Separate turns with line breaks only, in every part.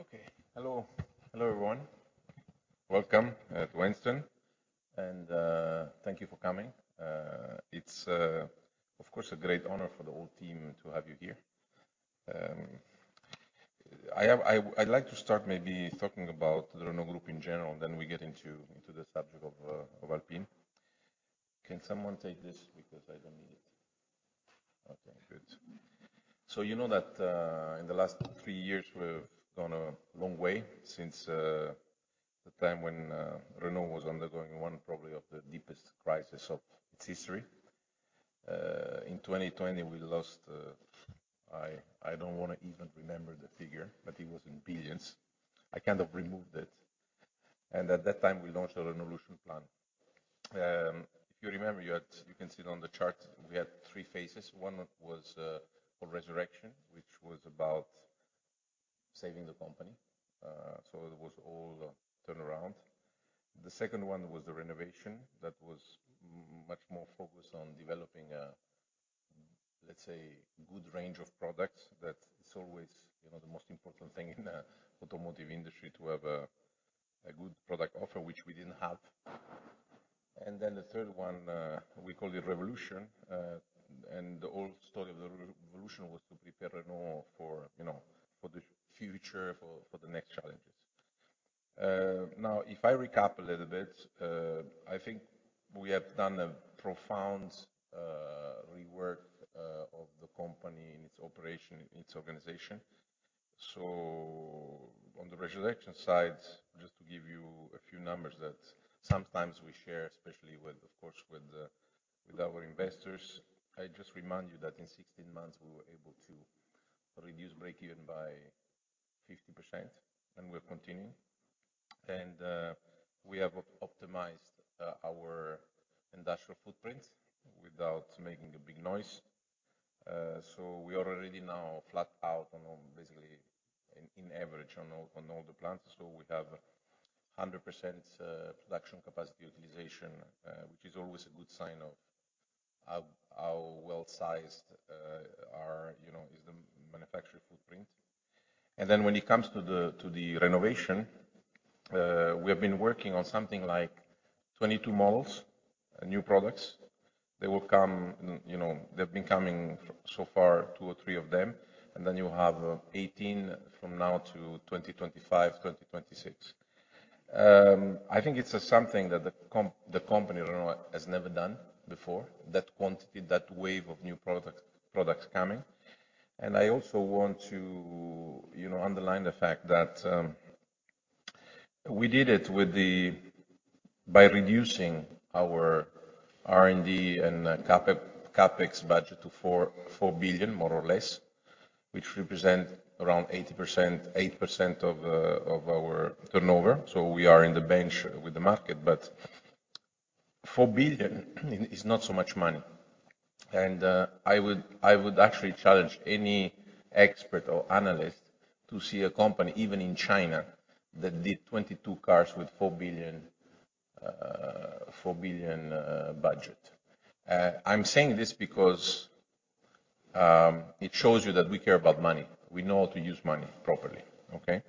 Okay. Hello. Hello, everyone. Welcome at Enstone, thank you for coming. It's, of course, a great honor for the whole team to have you here. I'd like to start maybe talking about the Renault Group in general, we get into the subject of Alpine. Can someone take this? I don't need it. Okay, good. You know that, in the last three years, we've gone a long way since the time when Renault was undergoing one probably of the deepest crisis of its history. In 2020, we lost, I don't want to even remember the figure, but it was in billions. I kind of removed it, at that time, we launched a Renaissance plan. If you remember, you can see it on the chart, we had three phases. One was for resurrection, which was about saving the company. It was all a turnaround. The second one was the renovation. That was much more focused on developing a, let's say, good range of products. That is always, you know, the most important thing in the automotive industry, to have a good product offer, which we didn't have. Then the third one, we call it Renaulution. The whole story of the Renaulution was to prepare Renault for, you know, for the future, for the next challenges. If I recap a little bit, I think we have done a profound rework of the company in its operation, in its organization. On the resurrection side, just to give you a few numbers that sometimes we share, especially with, of course, with our investors. I just remind you that in 16 months, we were able to reduce breakeven by 50%, and we're continuing. We have optimized our industrial footprint without making a big noise. We are already now flat-out on all, basically in average on all the plants. We have 100% production capacity utilization, which is always a good sign of how well sized our, you know, is the manufacturing footprint. When it comes to the renovation, we have been working on something like 22 models and new products. They will come, you know, they've been coming so far, two or three of them, and then you have 18 from now to 2025, 2026. I think it's something that the company, Renault, has never done before, that quantity, that wave of new products coming. I also want to, you know, underline the fact that we did it by reducing our R&D and CapEx budget to 4 billion, more or less, which represent around 8% of our turnover. We are in the bench with the market, but 4 billion is not so much money. I would actually challenge any expert or analyst to see a company, even in China, that did 22 cars with 4 billion budget. I'm saying this because it shows you that we care about money. We know how to use money properly, okay?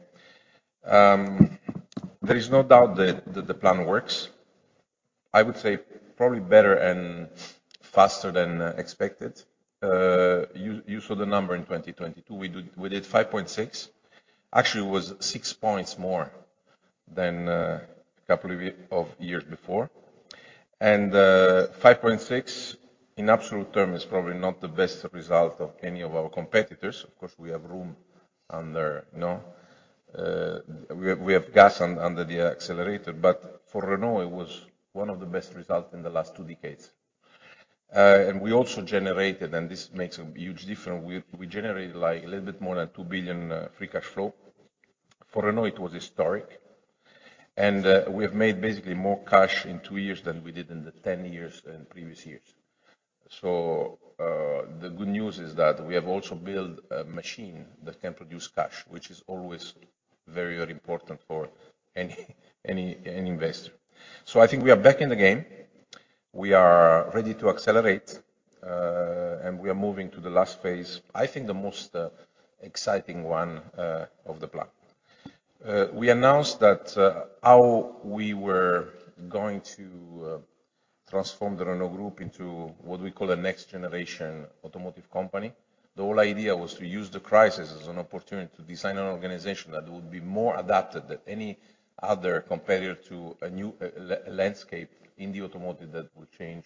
There is no doubt that the plan works, I would say probably better and faster than expected. You saw the number in 2022. We did 5.6. Actually, it was six points more than a couple of years before. 5.6, in absolute term, is probably not the best result of any of our competitors. Of course, we have room under, you know, we have gas under the accelerator, but for Renault, it was one of the best results in the last two decades. We also generated, and this makes a huge difference, we generated, like, a little bit more than 2 billion free cash flow. For Renault, it was historic. We have made basically more cash in two years than we did in the 10 years in previous years. The good news is that we have also built a machine that can produce cash, which is always very, very important for any, any investor. I think we are back in the game. We are ready to accelerate, and we are moving to the last phase, I think the most exciting one of the plan. We announced that how we were going to transform the Renault Group into what we call a next-generation automotive company. The whole idea was to use the crisis as an opportunity to design an organization that would be more adapted than any other competitor to a new landscape in the automotive that would change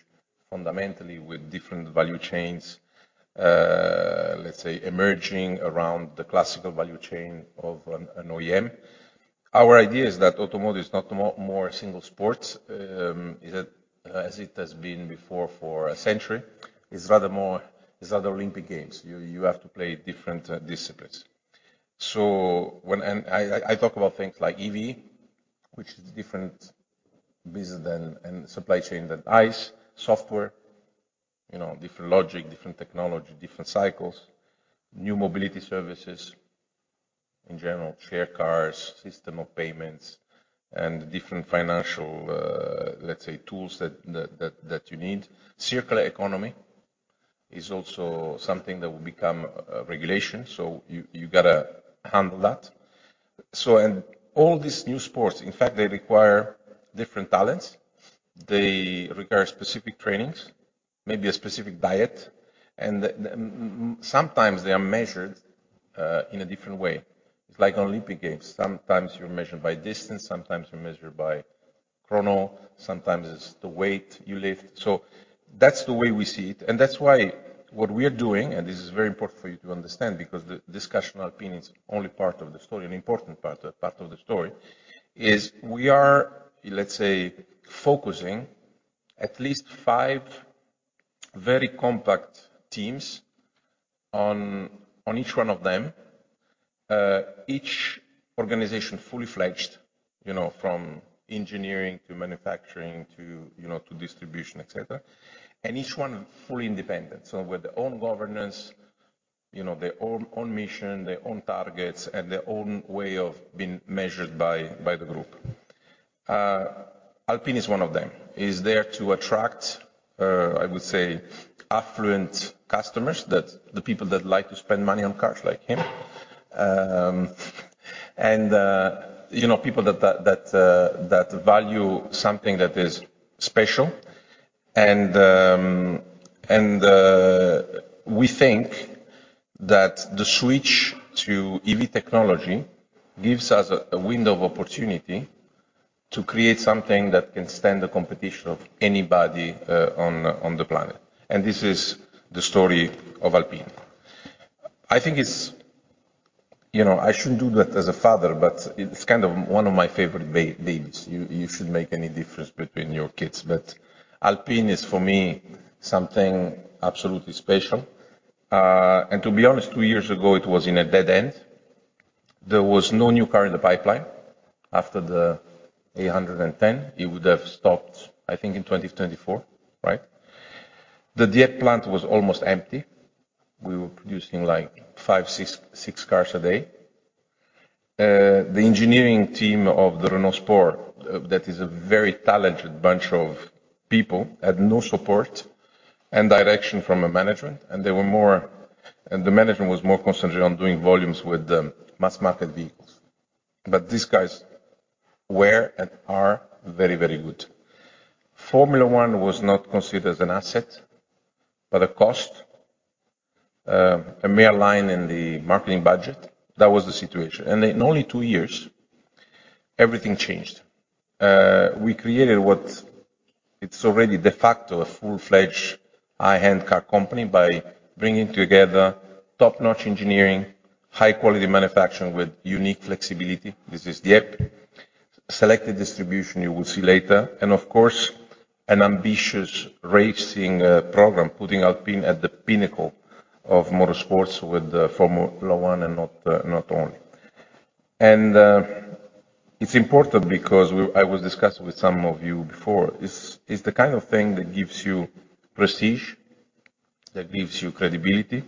fundamentally with different value chains, let's say, emerging around the classical value chain of an OEM. Our idea is that automotive is not more a single sport, as it has been before for a century. It's rather more, it's like Olympic Games. You have to play different disciplines. I talk about things like EV, which is different business than, and supply chain than ICE. Software, you know, different logic, different technology, different cycles. New mobility services, in general, share cars, system of payments, and different financial, let's say, tools that you need. Circular economy. is also something that will become regulation, so you gotta handle that. All these new sports, in fact, they require different talents. They require specific trainings, maybe a specific diet, and the sometimes they are measured in a different way. It's like Olympic Games, sometimes you're measured by distance, sometimes you're measured by chrono, sometimes it's the weight you lift. That's the way we see it, and that's why what we are doing, and this is very important for you to understand, because the discussion Alpine is only part of the story, an important part of the story, is we are, let's say, focusing at least five very compact teams on each one of them. Each organization fully-fledged, you know, from engineering to manufacturing to, you know, to distribution, et cetera, and each one fully independent. With their own governance, you know, their own mission, their own targets, and their own way of being measured by the group. Alpine is one of them. It is there to attract, I would say, affluent customers, that the people that like to spend money on cars like him. And, you know, people that value something that is special. We think that the switch to EV technology gives us a window of opportunity to create something that can stand the competition of anybody on the planet. This is the story of Alpine. I think it's, you know, I shouldn't do that as a father, but it's kind of one of my favorite things. You, you shouldn't make any difference between your kids. Alpine is, for me, something absolutely special. To be honest, two years ago, it was in a dead end. There was no new car in the pipeline. After the A110, it would have stopped, I think, in 2024, right? The Dieppe plant was almost empty. We were producing, like, five, six cars a day. The engineering team of the Renault Sport, that is a very talented bunch of people, had no support and direction from a management, and the management was more concentrated on doing volumes with the mass market vehicles. These guys were, and are, very, very good. Formula One was not considered as an asset, but a cost, a mere line in the marketing budget. That was the situation. In only two years, everything changed. We created what it's already de facto, a full-fledged high-end car company by bringing together top-notch engineering, high-quality manufacturing with unique flexibility. This is Dieppe. Selected distribution, you will see later, and of course, an ambitious racing program, putting Alpine at the pinnacle of motorsports with Formula One and not only. It's important because I was discussing with some of you before, it's the kind of thing that gives you prestige, that gives you credibility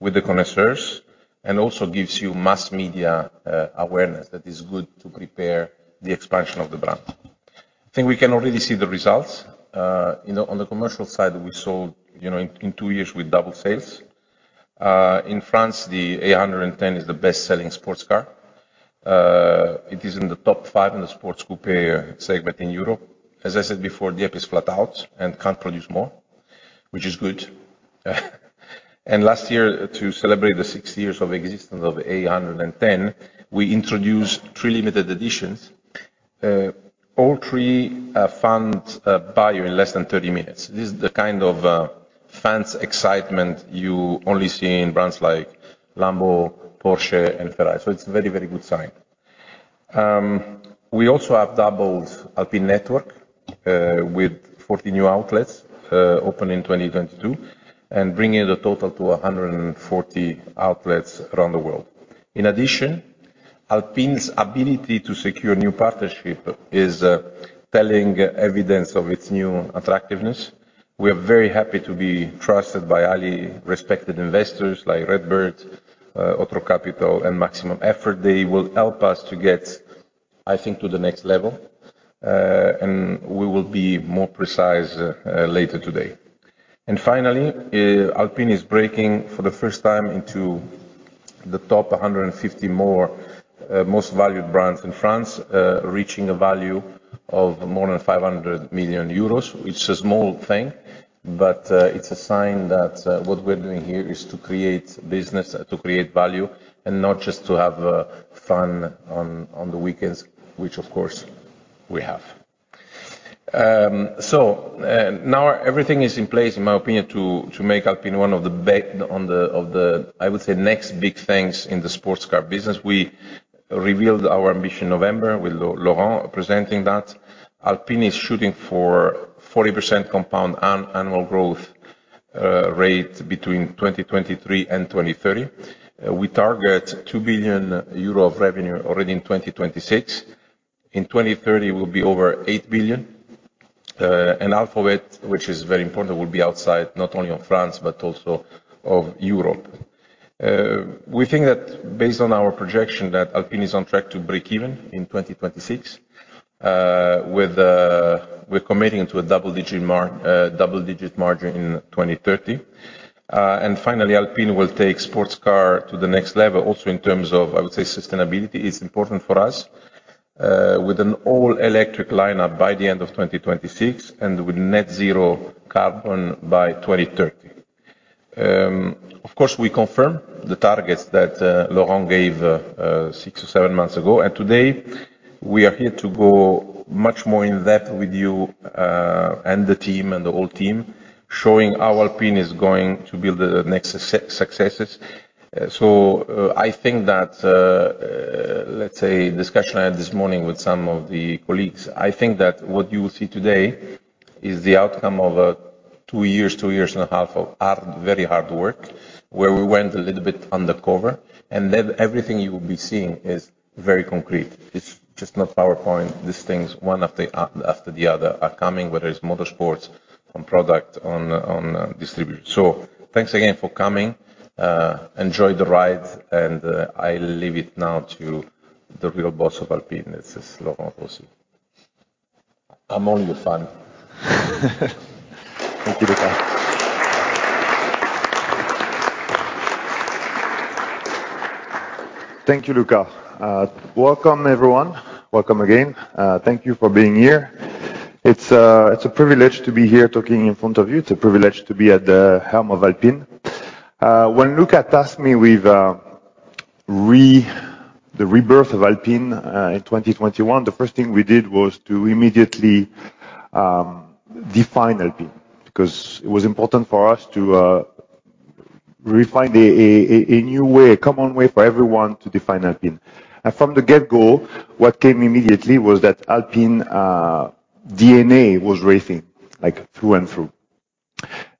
with the connoisseurs, and also gives you mass media awareness that is good to prepare the expansion of the brand. I think we can already see the results. You know, on the commercial side, we sold, you know, in two years with double sales. In France, the A110 is the best-selling sports car. It is in the top five in the sports coupe segment in Europe. As I said before, Dieppe is flat-out and can't produce more, which is good. Last year, to celebrate the six years of existence of A110, we introduced three limited editions. All three found buyer in less than 30 minutes. This is the kind of fans' excitement you only see in brands like Lambo, Porsche, and Ferrari. It's a very, very good sign. We also have doubled Alpine network with 40 new outlets opening in 2022, and bringing the total to 140 outlets around the world. In addition, Alpine's ability to secure new partnership is telling evidence of its new attractiveness. We are very happy to be trusted by highly respected investors like RedBird, Otro Capital, and Maximum Effort. They will help us to get, I think, to the next level, and we will be more precise later today. Finally, Alpine is breaking, for the first time, into the top 150 more most valued brands in France, reaching a value of more than 500 million euros. It's a small thing, but it's a sign that what we're doing here is to create business, to create value, and not just to have fun on the weekends, which, of course, we have. Now everything is in place, in my opinion, to make Alpine one of the of the, I would say, next big things in the sports car business. We revealed our ambition November, with Laurent presenting that. Alpine is shooting for 40% compound annual growth rate between 2023 and 2030. We target 2 billion euro of revenue already in 2026. In 2030, it will be over 8 billion. Half of it, which is very important, will be outside, not only of France, but also of Europe. We think that based on our projection, that Alpine is on track to break even in 2026. With, we're committing to a double-digit margin in 2030. Finally, Alpine will take sports car to the next level, also in terms of, I would say, sustainability is important for us, with an all-electric lineup by the end of 2026 and with net zero carbon by 2030. Of course, we confirm the targets that Laurent gave six or seven months ago. Today we are here to go much more in depth with you and the team, and the whole team, showing how Alpine is going to build the next successes. I think that let's say discussion I had this morning with some of the colleagues, I think that what you will see today is the outcome of two years and a half of hard, very hard work, where we went a little bit undercover. Everything you will be seeing is very concrete. It's just not PowerPoint. These things, one after the other are coming, whether it's motorsports, on product, on distribution. Thanks again for coming. Enjoy the ride. I'll leave it now to the real boss of Alpine. This is Laurent Rossi. I'm only a fan.
Thank you, Luca. Welcome, everyone. Welcome again. Thank you for being here. It's a privilege to be here talking in front of you. It's a privilege to be at the helm of Alpine. When Luca tasked me with the rebirth of Alpine in 2021, the first thing we did was to immediately define Alpine, because it was important for us to refine a new way, a common way for everyone to define Alpine. From the get-go, what came immediately was that Alpine DNA was racing, like, through and through.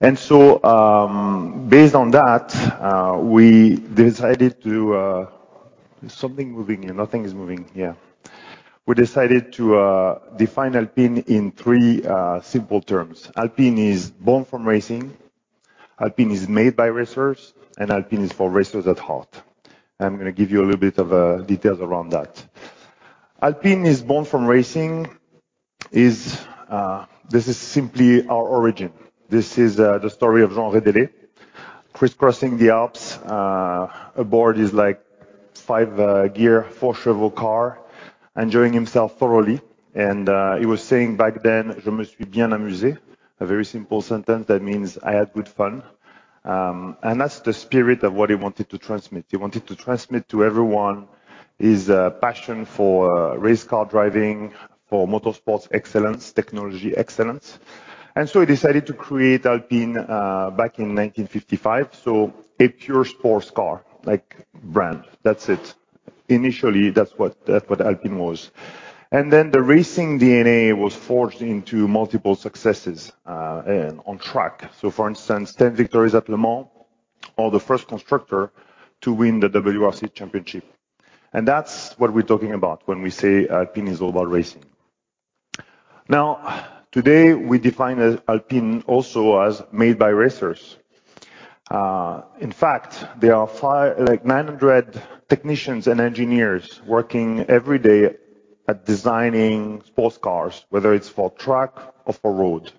Based on that, we decided to define Alpine in three simple terms. Alpine is born from racing, Alpine is made by racers, and Alpine is for racers at heart. I'm gonna give you a little bit of details around that. Alpine is born from racing is, this is simply our origin. This is the story of Jean Rédélé, crisscrossing the Alps, aboard his, like, five-gear, 4CV car, enjoying himself thoroughly. He was saying back then, "... je me suis bien amusé!" A very simple sentence that means, "I had good fun." That's the spirit of what he wanted to transmit. He wanted to transmit to everyone his passion for race car driving, for motorsports excellence, technology excellence. He decided to create Alpine back in 1955. A pure sports car, like brand. That's it. Initially, that's what, that's what Alpine was. The racing DNA was forged into multiple successes and on track. For instance, 10 victories at Le Mans, or the first constructor to win the WRC championship. That's what we're talking about when we say Alpine is all about racing. Today, we define A-Alpine also as made by racers. In fact, there are 900 technicians and engineers working every day at designing sports cars, whether it's for track or for road.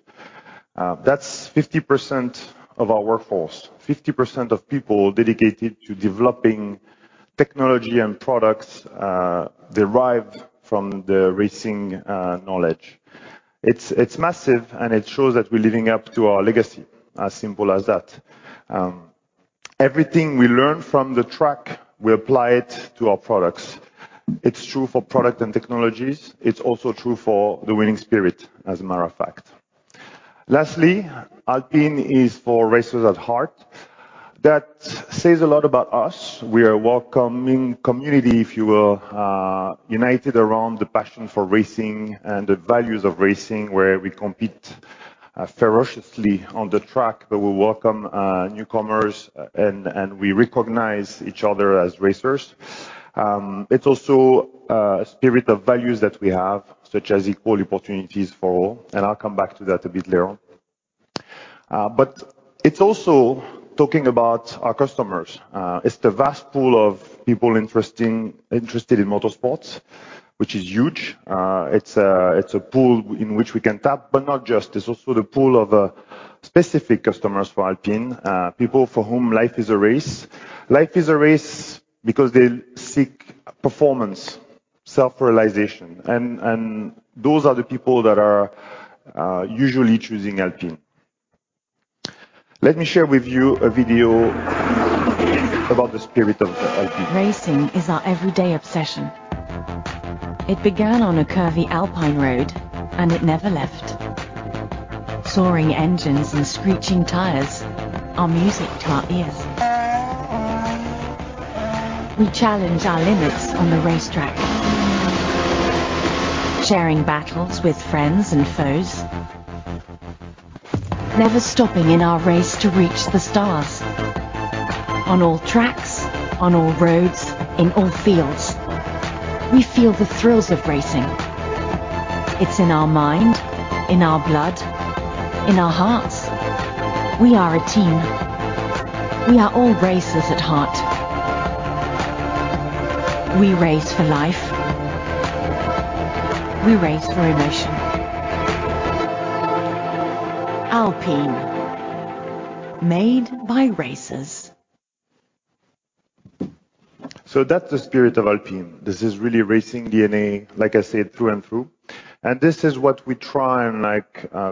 That's 50% of our workforce, 50% of people dedicated to developing technology and products derived from the racing knowledge. It's massive, and it shows that we're living up to our legacy, as simple as that. Everything we learn from the track, we apply it to our products. It's true for product and technologies. It's also true for the winning spirit, as a matter of fact. Lastly, Alpine is for racers at heart. That says a lot about us. We are a welcoming community, if you will, united around the passion for racing and the values of racing, where we compete ferociously on the track, but we welcome newcomers, and we recognize each other as racers. It's also a spirit of values that we have, such as equal opportunities for all, and I'll come back to that a bit later on. It's also talking about our customers. It's the vast pool of people interesting, interested in motorsports, which is huge. It's a pool in which we can tap, but not just. It's also the pool of specific customers for Alpine, people for whom life is a race. Life is a race because they seek performance, self-realization, and those are the people that are usually choosing Alpine. Let me share with you a video about the spirit of Alpine.
Racing is our everyday obsession. It began on a curvy Alpine road, and it never left. Soaring engines and screeching tires are music to our ears. We challenge our limits on the racetrack, sharing battles with friends and foes, never stopping in our race to reach the stars. On all tracks, on all roads, in all fields, we feel the thrills of racing. ...It's in our mind, in our blood, in our hearts. We are a team. We are all racers at heart. We race for life. We race for emotion. Alpine, made by racers.
That's the spirit of Alpine. This is really racing DNA, like I said, through and through, and this is what we try and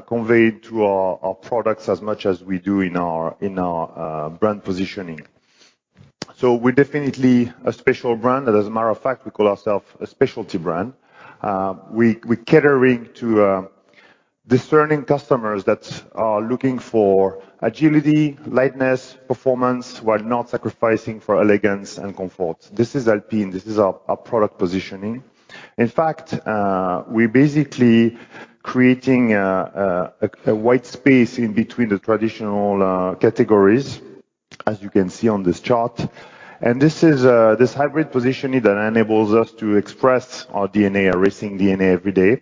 convey to our products as much as we do in our brand positioning. We're definitely a special brand, and as a matter of fact, we call ourselves a specialty brand. We're catering to discerning customers that are looking for agility, lightness, performance, while not sacrificing for elegance and comfort. This is Alpine. This is our product positioning. In fact, we're basically creating a wide space in between the traditional categories, as you can see on this chart. This is this hybrid positioning that enables us to express our DNA, our racing DNA, every day,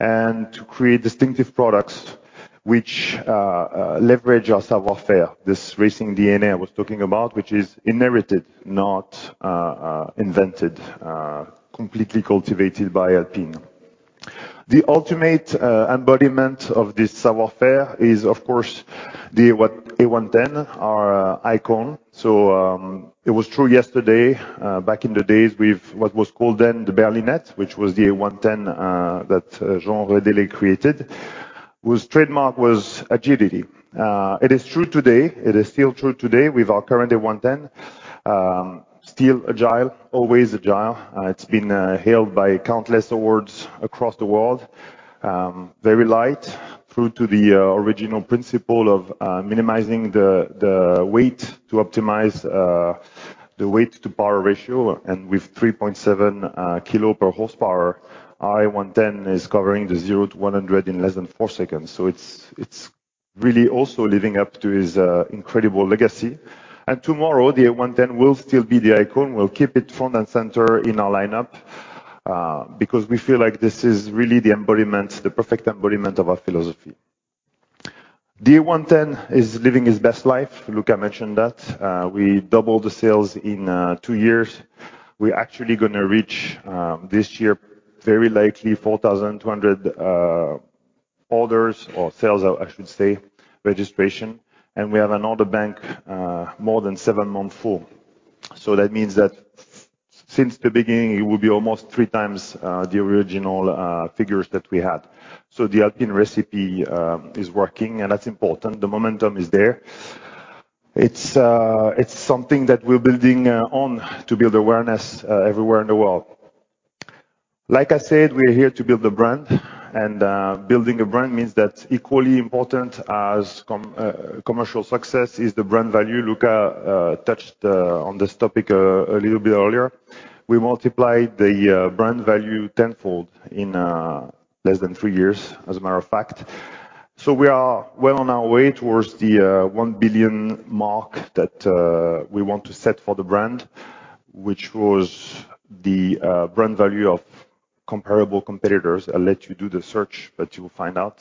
and to create distinctive products which leverage our savoir faire, this racing DNA I was talking about, which is inherited, not invented, completely cultivated by Alpine. The ultimate embodiment of this savoir faire is, of course, the A110, our icon. It was true yesterday, back in the days, with what was called then the Berlinette, which was the A110, that Jean Rédélé created, whose trademark was agility. It is true today, it is still true today with our current A110. Still agile, always agile. It's been hailed by countless awards across the world. Very light, true to the original principle of minimizing the weight to optimize the weight to power ratio. With 3.7 kg per horsepower, our A110 is covering the 0 to 100 in less than four seconds. It's really also living up to its incredible legacy. Tomorrow, the A110 will still be the icon. We'll keep it front and center in our lineup because we feel like this is really the embodiment, the perfect embodiment of our philosophy. The A110 is living its best life. Luca mentioned that. We doubled the sales in two years. We're actually going to reach this year, very likely 4,200 orders or sales, I should say, registration. We have an order bank more than seven months full. That means that since the beginning, it will be almost three times the original figures that we had. The Alpine recipe is working, and that's important. The momentum is there. It's something that we're building on to build awareness everywhere in the world. Like I said, we're here to build a brand, and building a brand means that equally important as commercial success is the brand value. Luca touched on this topic a little bit earlier. We multiplied the brand value tenfold in less than three years, as a matter of fact. We are well on our way towards the 1 billion mark that we want to set for the brand, which was the brand value of comparable competitors. I'll let you do the search, but you will find out.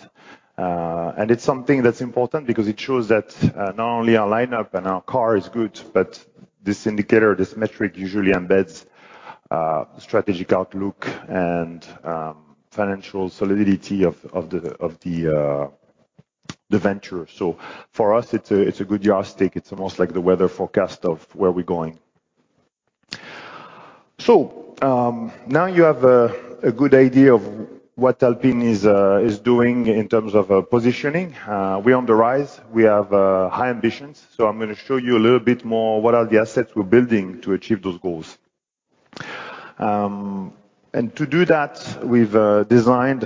It's something that's important because it shows that not only our lineup and our car is good, but this indicator, this metric, usually embeds strategic outlook and financial solidity of the venture. For us, it's a good yardstick. It's almost like the weather forecast of where we're going. Now you have a good idea of what Alpine is doing in terms of positioning. We're on the rise. We have high ambitions, so I'm going to show you a little bit more what are the assets we're building to achieve those goals. To do that, we've designed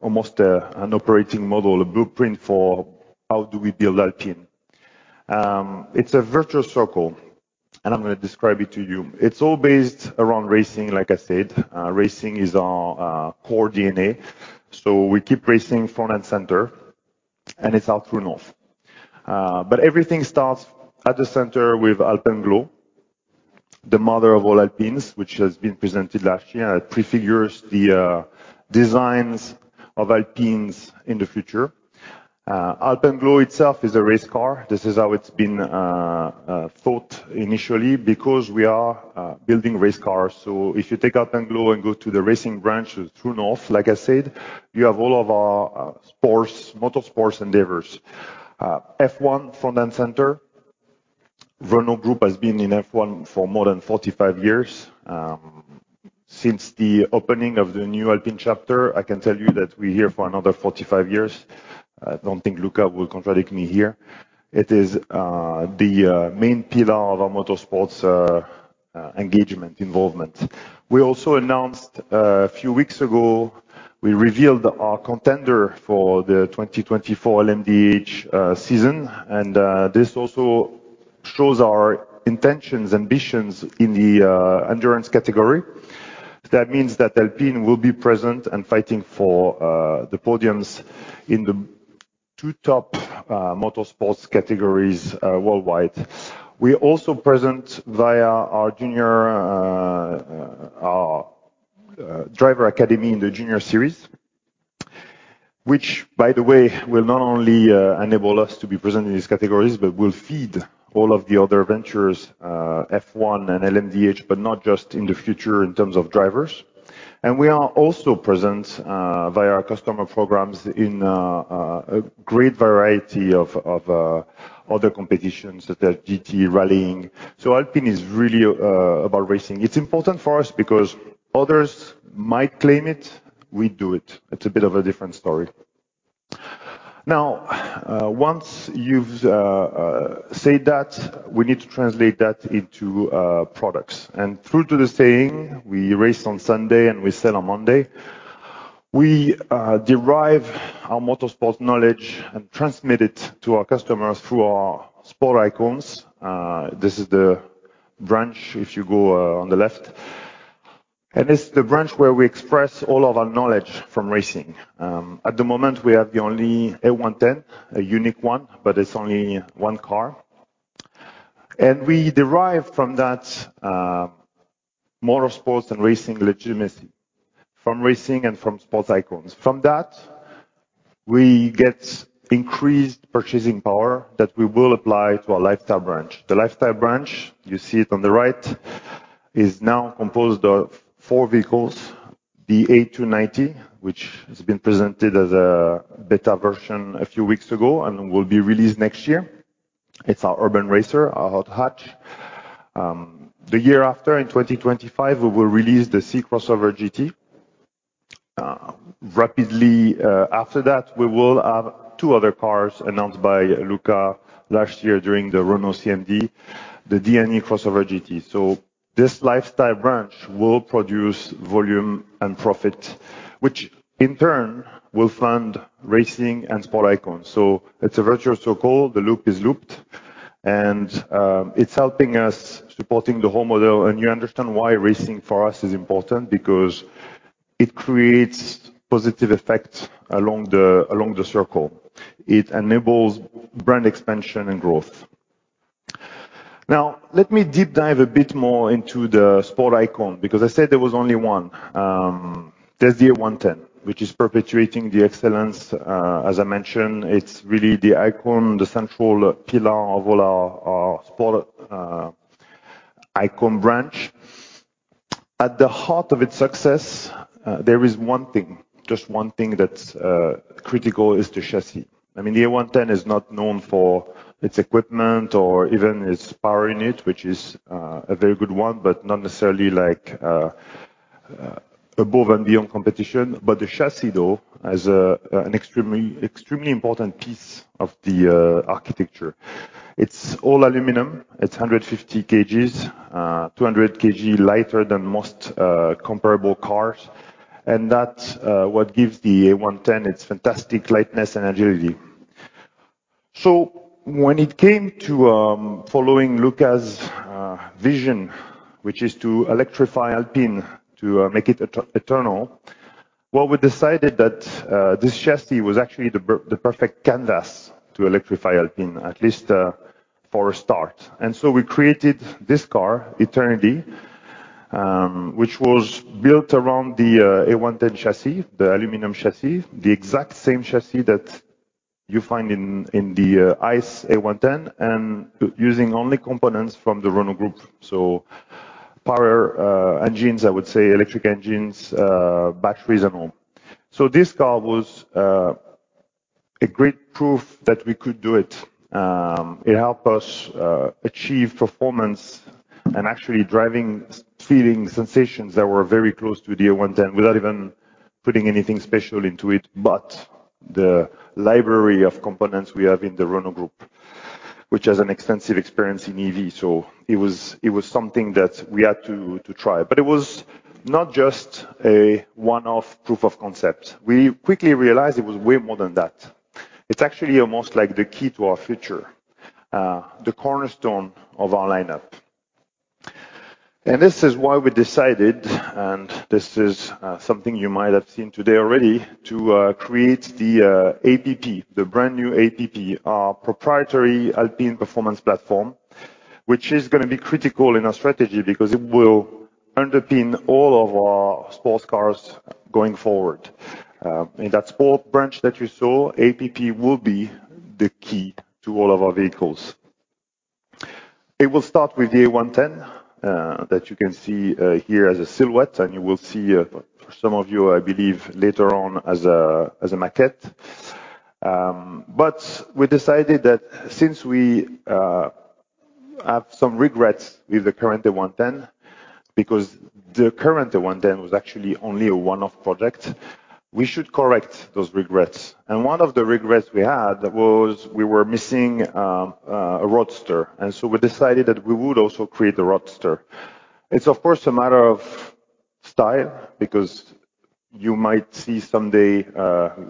almost an operating model, a blueprint for how do we build Alpine. It's a virtual circle, and I'm going to describe it to you. It's all based around racing, like I said. Racing is our core DNA, we keep racing front and center, and it's out through North. Everything starts at the center with Alpenglow, the mother of all Alpines, which has been presented last year. It prefigures the designs of Alpines in the future. Alpenglow itself is a race car. This is how it's been thought initially, because we are building race cars. If you take Alpenglow and go to the racing branch through North, like I said, you have all of our sports, motorsports endeavors. F1, front and center. Renault Group has been in F1 for more than 45 years. Since the opening of the new Alpine chapter, I can tell you that we're here for another 45 years. I don't think Luca will contradict me here. It is the main pillar of our motorsports engagement, involvement. We also announced, a few weeks ago, we revealed our contender for the 2024 LMDh season, and this also shows our intentions, ambitions in the endurance category. That means that Alpine will be present and fighting for the podiums in the two top motorsports categories worldwide. We also present via our junior, our Alpine Academy in the junior series, which, by the way, will not only enable us to be present in these categories, but will feed all of the other ventures, F1 and LMDh, but not just in the future in terms of drivers. We are also present via our customer programs in a great variety of other competitions, such as GT rallying. Alpine is really about racing. It's important for us because others might claim it, we do it. It's a bit of a different story. Once you've said that, we need to translate that into products. True to the saying, we race on Sunday, and we sell on Monday. We derive our motorsports knowledge and transmit it to our customers through our sports icons. This is the branch, if you go on the left, and this is the branch where we express all of our knowledge from racing. At the moment, we have the only A110, a unique one, but it's only one car. We derive from that, motorsports and racing legitimacy, from racing and from sports icons. From that, we get increased purchasing power that we will apply to our lifestyle branch. The lifestyle branch, you see it on the right, is now composed of four vehicles, the A290, which has been presented as a beta version a few weeks ago and will be released next year. It's our urban racer, our hot hatch. The year after, in 2025, we will release the C-Crossover GT. Rapidly, after that, we will have two other cars announced by Luca last year during the Renault CMD, the D- and E-Crossover GT. This lifestyle branch will produce volume and profit, which, in turn, will fund racing and sports icons. It's a virtual circle. The loop is looped, and it's helping us supporting the whole model. You understand why racing for us is important because it creates positive effects along the circle. It enables brand expansion and growth. Let me deep dive a bit more into the sports icon, because I said there was only one. There's the A110, which is perpetuating the excellence. As I mentioned, it's really the icon, the central pillar of all our sports icon branch. At the heart of its success, there is one thing, just one thing that's critical, is the chassis. I mean, the A110 is not known for its equipment or even its power in it, which is a very good one, but not necessarily like above and beyond competition. The chassis, though, has an extremely important piece of the architecture. It's all aluminum. It's 150 kg, 200 kg lighter than most comparable cars, and that's what gives the A110 its fantastic lightness and agility. When it came to following Luca's vision, which is to electrify Alpine, to make it eternal, well, we decided that this chassis was actually the perfect canvas to electrify Alpine, at least for a start. We created this car, E-Ternité, which was built around the A110 chassis, the aluminum chassis, the exact same chassis that you find in the ICE A110, and using only components from the Renault Group. Power, engines, I would say, electric engines, batteries, and all. This car was a great proof that we could do it. It helped us achieve performance and actually driving, feeling sensations that were very close to the A110 without even putting anything special into it, but the library of components we have in the Renault Group, which has an extensive experience in EV. It was something that we had to try. It was not just a one-off proof of concept. We quickly realized it was way more than that. It's actually almost like the key to our future, the cornerstone of our lineup. This is why we decided, and this is something you might have seen today already, to create the APP, the brand new APP, our proprietary Alpine Performance Platform, which is gonna be critical in our strategy because it will underpin all of our sports cars going forward. In that sport branch that you saw, APP will be the key to all of our vehicles. It will start with the A110 that you can see here as a silhouette, and you will see for some of you, I believe, later on, as a maquette. We decided that since we have some regrets with the current A110, because the current A110 was actually only a one-off project, we should correct those regrets. One of the regrets we had was we were missing a Roadster. So we decided that we would also create the Roadster. It's of course, a matter of style because you might see someday,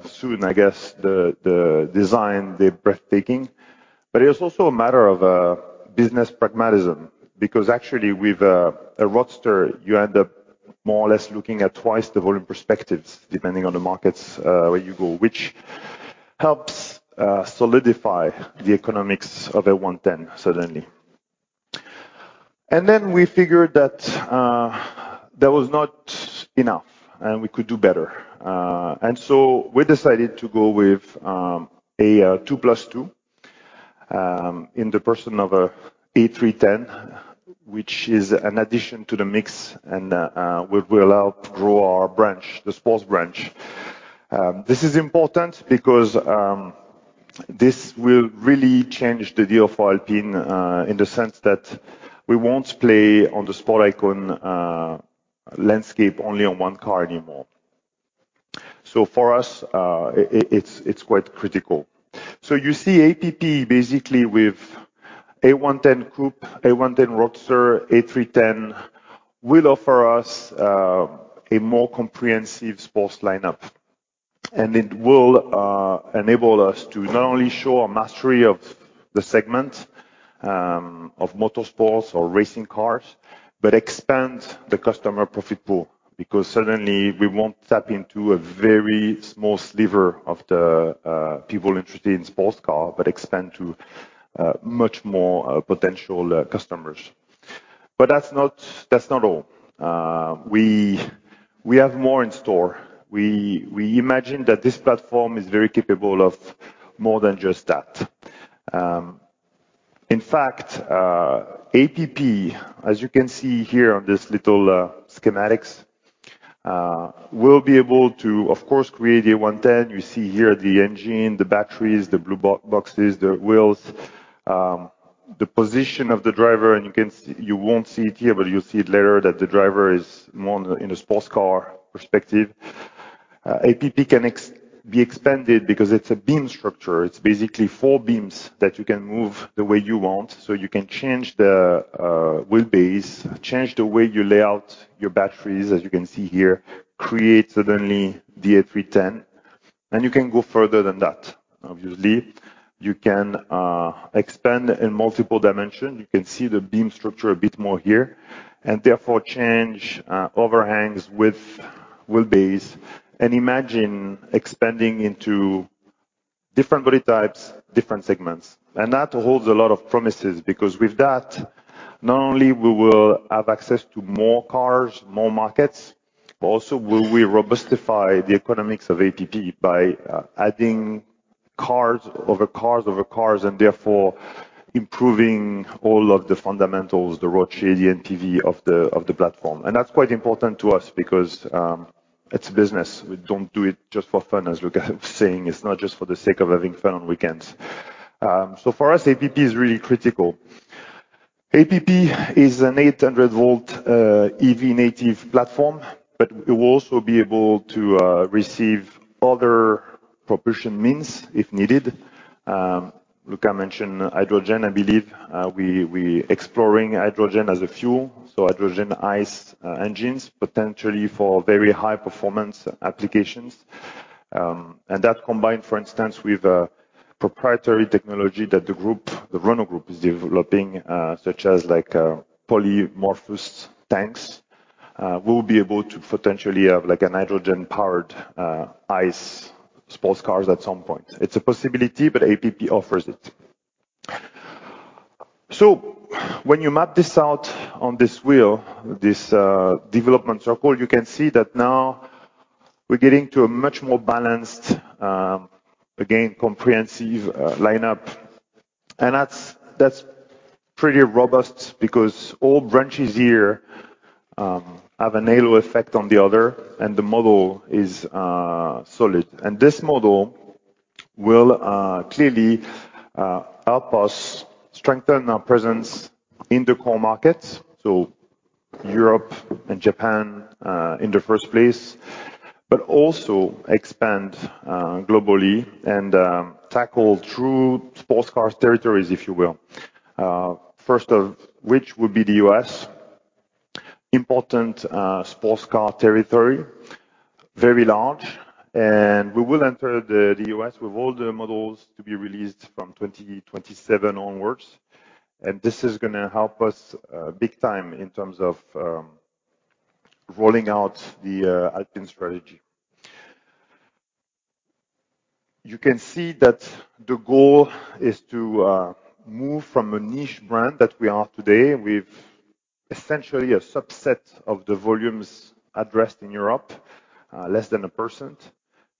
soon, I guess, the design, the breathtaking. It is also a matter of business pragmatism, because actually, with a roadster, you end up more or less looking at twice the volume perspectives, depending on the markets, where you go, which helps solidify the economics of A110, suddenly. We figured that that was not enough, and we could do better. We decided to go with a 2+2 in the person of a A310, which is an addition to the mix, and will help grow our branch, the sports branch. This is important because this will really change the deal for Alpine in the sense that we won't play on the sports icon landscape, only on one car anymore. For us, it's quite critical. You see APP basically with A110 group, A110 Roadster, A310 will offer us a more comprehensive sports lineup. It will enable us to not only show a mastery of the segment of motorsports or racing cars, but expand the customer profit pool, because suddenly we won't tap into a very small sliver of the people interested in sports car, but expand to much more potential customers. That's not all. We have more in store. We imagine that this platform is very capable of more than just that. In fact, APP, as you can see here on this little schematics, will be able to, of course, create A110. You see here the engine, the batteries, the blue boxes, the wheels, the position of the driver, and you can see... You won't see it here, but you'll see it later, that the driver is more in a sports car perspective. APP can be expanded because it's a beam structure. It's basically four beams that you can move the way you want, so you can change the wheelbase, change the way you lay out your batteries, as you can see here, create suddenly the A310, and you can go further than that. Obviously, you can expand in multiple dimensions. You can see the beam structure a bit more here, therefore, change overhangs with wheelbase and imagine expanding into different body types, different segments. That holds a lot of promises, because with that, not only we will have access to more cars, more markets, but also will we robustify the economics of APP by adding cars over cars over cars, and therefore improving all of the fundamentals, the ROACE, the NPV of the platform. That's quite important to us because it's a business. We don't do it just for fun, as Luca is saying, it's not just for the sake of having fun on weekends. For us, APP is really critical. APP is an 800-volt EV-native platform, but it will also be able to receive other propulsion means, if needed. Luca mentioned hydrogen. I believe, we exploring hydrogen as a fuel, so hydrogen ICE engines, potentially for very high-performance applications. That combined, for instance, with a proprietary technology that the group, the Renault Group is developing, such as, like, polymorphic tanks, we'll be able to potentially have, like, a hydrogen-powered ICE sports cars at some point. It's a possibility, but APP offers it. When you map this out on this wheel, this development circle, you can see that now we're getting to a much more balanced, again, comprehensive lineup. That's pretty robust because all branches here have a halo effect on the other, and the model is solid. This model will clearly help us strengthen our presence in the core markets, Europe and Japan in the first place, also expand globally and tackle true sports cars territories, if you will. First of which would be the U.S. Important sports car territory, very large. We will enter the U.S. with all the models to be released from 2027 onwards. This is gonna help us big time in terms of rolling out the Alpine strategy. You can see that the goal is to move from a niche brand that we are today, with essentially a subset of the volumes addressed in Europe, less than 1%,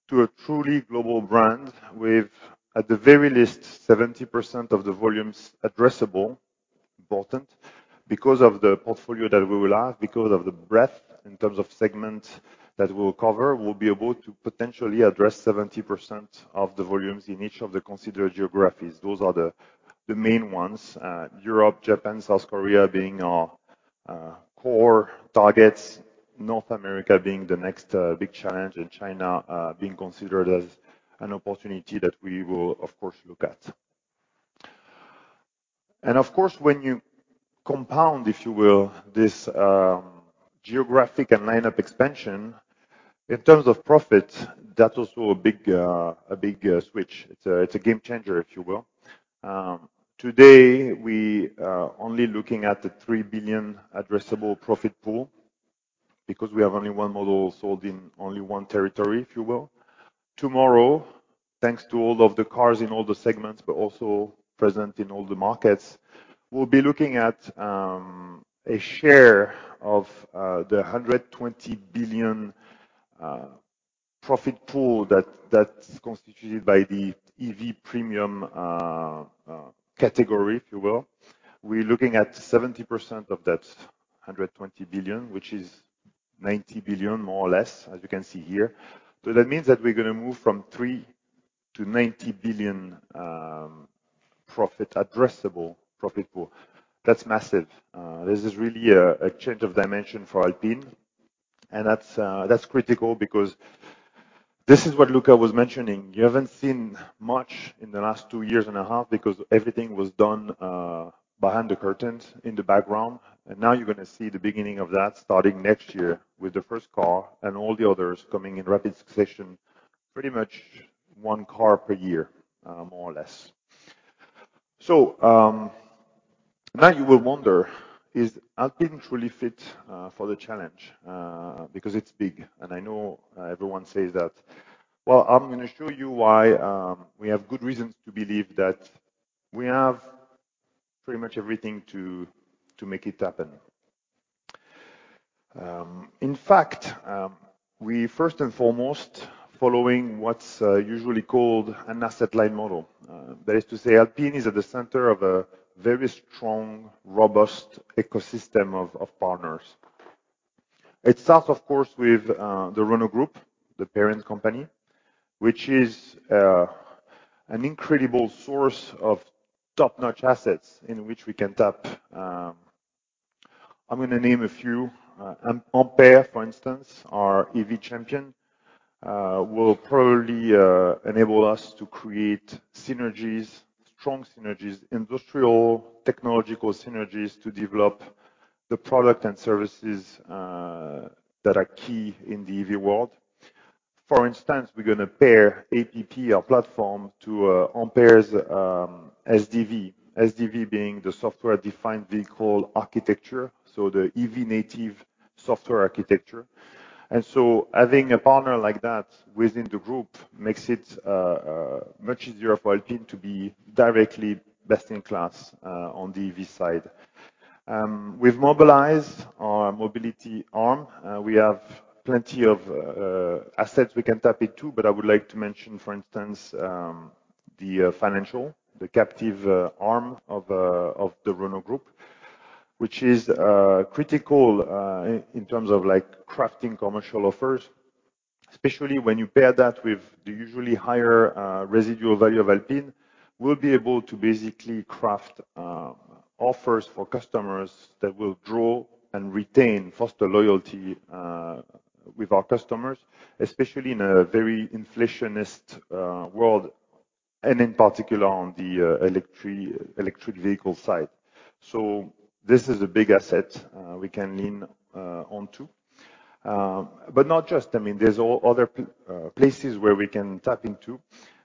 to a truly global brand, with at the very least 70% of the volumes addressable. Important because of the portfolio that we will have, because of the breadth in terms of segments that we'll cover, we'll be able to potentially address 70% of the volumes in each of the considered geographies. Those are the main ones, Europe, Japan, South Korea being our core targets, North America being the next big challenge, and China being considered as an opportunity that we will, of course, look at. Of course, when you compound, if you will, this geographic and lineup expansion, in terms of profit, that's also a big switch. It's a game changer, if you will. Today, we are only looking at the 3 billion addressable profit pool because we have only one model sold in only one territory, if you will. Tomorrow, thanks to all of the cars in all the segments, but also present in all the markets, we'll be looking at a share of the 120 billion profit pool, that's constituted by the EV premium category, if you will. We're looking at 70% of that 120 billion, which is 90 billion, more or less, as you can see here. That means that we're going to move from 3 billion to 90 billion profit, addressable profit pool. That's massive. This is really a change of dimension for Alpine, and that's critical because this is what Luca was mentioning. You haven't seen much in the last two years and a half because everything was done behind the curtains, in the background. Now you're going to see the beginning of that, starting next year with the first car and all the others coming in rapid succession, pretty much one car per year, more or less. Now you will wonder, is Alpine truly fit for the challenge? Because it's big, and I know everyone says that. I'm going to show you why we have good reasons to believe that we have pretty much everything to make it happen. In fact, we first and foremost, following what's usually called an asset-light model. That is to say, Alpine is at the center of a very strong, robust ecosystem of partners. It starts, of course, with the Renault Group, the parent company, which is an incredible source of top-notch assets in which we can tap. I'm going to name a few. Ampere, for instance, our EV champion, will probably enable us to create synergies, strong synergies, industrial, technological synergies to develop the product and services that are key in the EV world. For instance, we're going to pair APP, our platform, to Ampere's SDV. SDV being the software-defined vehicle architecture, so the EV native software architecture. Having a partner like that within the group makes it much easier for Alpine to be directly best in class on the EV side. We've mobilized our mobility arm. We have plenty of assets we can tap into, but I would like to mention, for instance, the financial, the captive arm of the Renault Group, which is critical in terms of, like, crafting commercial offers. Especially when you pair that with the usually higher residual value of Alpine, we'll be able to basically craft offers for customers that will draw and retain foster loyalty with our customers, especially in a very inflationist world, and in particular on the electric vehicle side. This is a big asset we can lean on to. Not just, I mean, there's other places where we can tap into.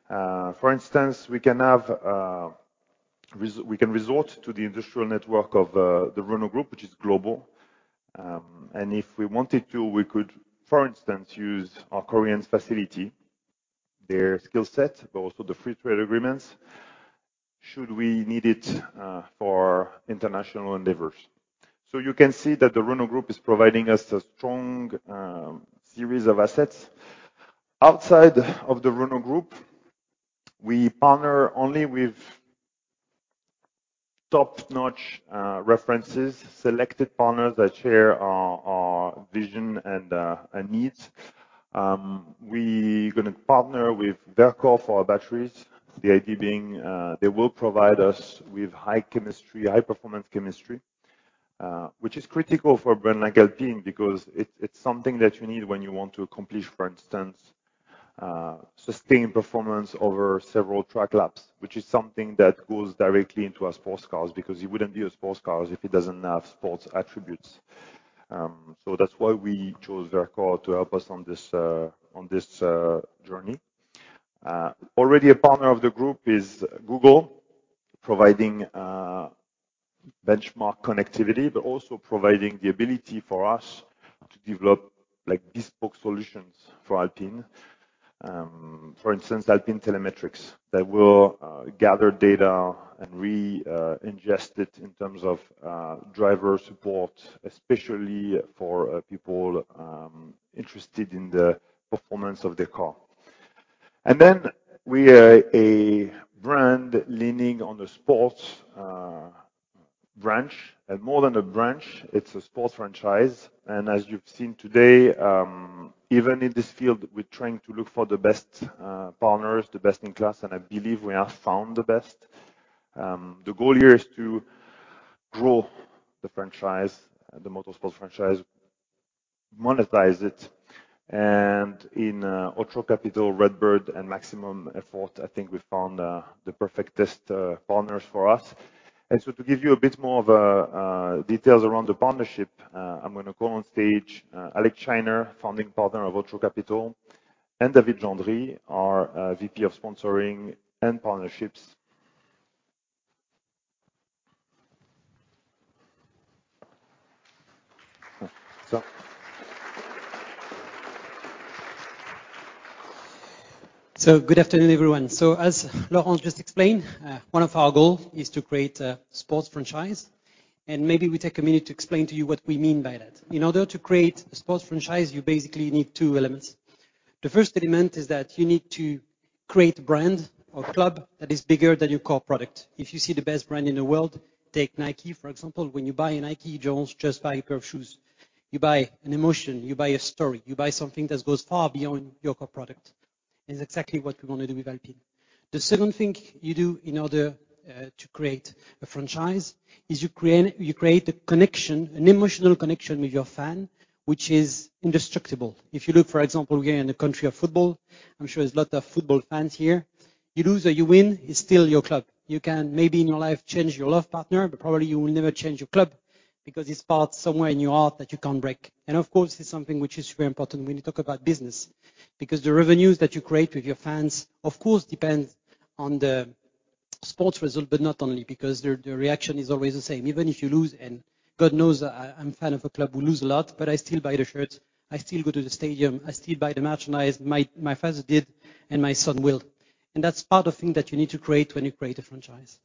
For instance, we can resort to the industrial network of the Renault Group, which is global. If we wanted to, we could, for instance, use our Korean facility, their skill set, but also the free trade agreements, should we need it, for international endeavors. You can see that the Renault Group is providing us a strong series of assets. Outside of the Renault Group, we partner only with top-notch references, selected partners that share our vision and needs. We going to partner with Verkor for our batteries. The idea being, they will provide us with high chemistry, high-performance chemistry, which is critical for a brand like Alpine, because it's something that you need when you want to accomplish, for instance, sustained performance over several track laps, which is something that goes directly into a sports cars, because it wouldn't be a sports cars if it doesn't have sports attributes. That's why we chose Verkor to help us on this on this journey. Already a partner of the group is Google, providing benchmark connectivity, also providing the ability for us to develop, like, bespoke solutions for Alpine. For instance, Alpine telemetrics, that will gather data and re ingest it in terms of driver support, especially for people interested in the performance of their car. We are a brand leaning on the sports branch, more than a branch, it's a sports franchise. As you've seen today, even in this field, we're trying to look for the best partners, the best in class, I believe we have found the best. The goal here is to grow the franchise, the motorsport franchise. monetize it. In Otro Capital, RedBird, and Maximum Effort, I think we found the perfectest partners for us. To give you a bit more of details around the partnership, I'm gonna call on stage Alec Scheiner, founding partner of Otro Capital, and David Gendry, our VP of Sponsoring and Partnerships.
Good afternoon, everyone. As Laurent just explained, one of our goal is to create a sports franchise, and maybe we take a minute to explain to you what we mean by that. In order to create a sports franchise, you basically need two elements. The first element is that you need to create a brand or club that is bigger than your core product. If you see the best brand in the world, take Nike, for example. When you buy a Nike, you don't just buy a pair of shoes. You buy an emotion, you buy a story, you buy something that goes far beyond your core product. It's exactly what we wanna do with Alpine. The second thing you do in order to create a franchise, is you create a connection, an emotional connection with your fan, which is indestructible. If you look, for example, again, in the country of football, I'm sure there's a lot of football fans here. You lose or you win, it's still your club. You can maybe in your life change your love partner, but probably you will never change your club, because it's part somewhere in your heart that you can't break. Of course, it's something which is very important when you talk about business. The revenues that you create with your fans, of course, depends on the sports result, but not only because the reaction is always the same, even if you lose, and God knows I'm a fan of a club who lose a lot, but I still buy the shirts, I still go to the stadium, I still buy the merchandise. My father did, and my son will. That's part of the thing that you need to create when you create a franchise.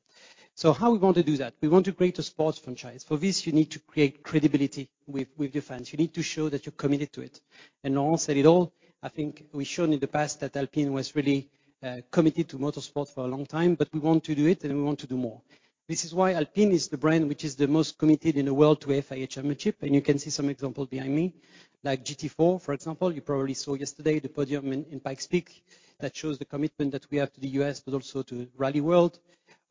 How we're going to do that? We want to create a sports franchise. For this, you need to create credibility with your fans. You need to show that you're committed to it. Laurent said it all, I think we've shown in the past that Alpine was really committed to motorsport for a long time, but we want to do it, and we want to do more. This is why Alpine is the brand which is the most committed in the world to FIA championship, and you can see some example behind me, like GT4, for example. You probably saw yesterday, the podium in Pikes Peak. That shows the commitment that we have to the U.S., but also to rally world.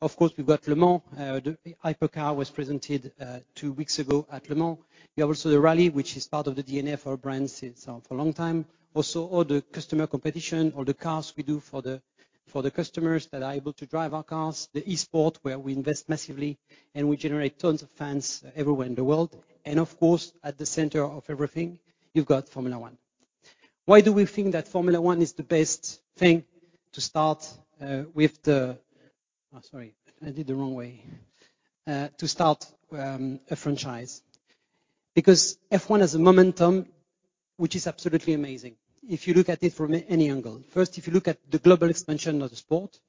Of course, we've got Le Mans. The Hypercar was presented two weeks ago at Le Mans. We have also the rally, which is part of the DNF, our brand, since for a long time. Also, all the customer competition, all the cars we do for the, for the customers that are able to drive our cars, the esport, where we invest massively, and we generate tons of fans everywhere in the world. Of course, at the center of everything, you've got Formula 1. Why do we think that Formula 1 is the best thing to start with the... Sorry, I did the wrong way. To start a franchise? F1 has a momentum, which is absolutely amazing if you look at it from any angle. If you look at the global expansion of the sport,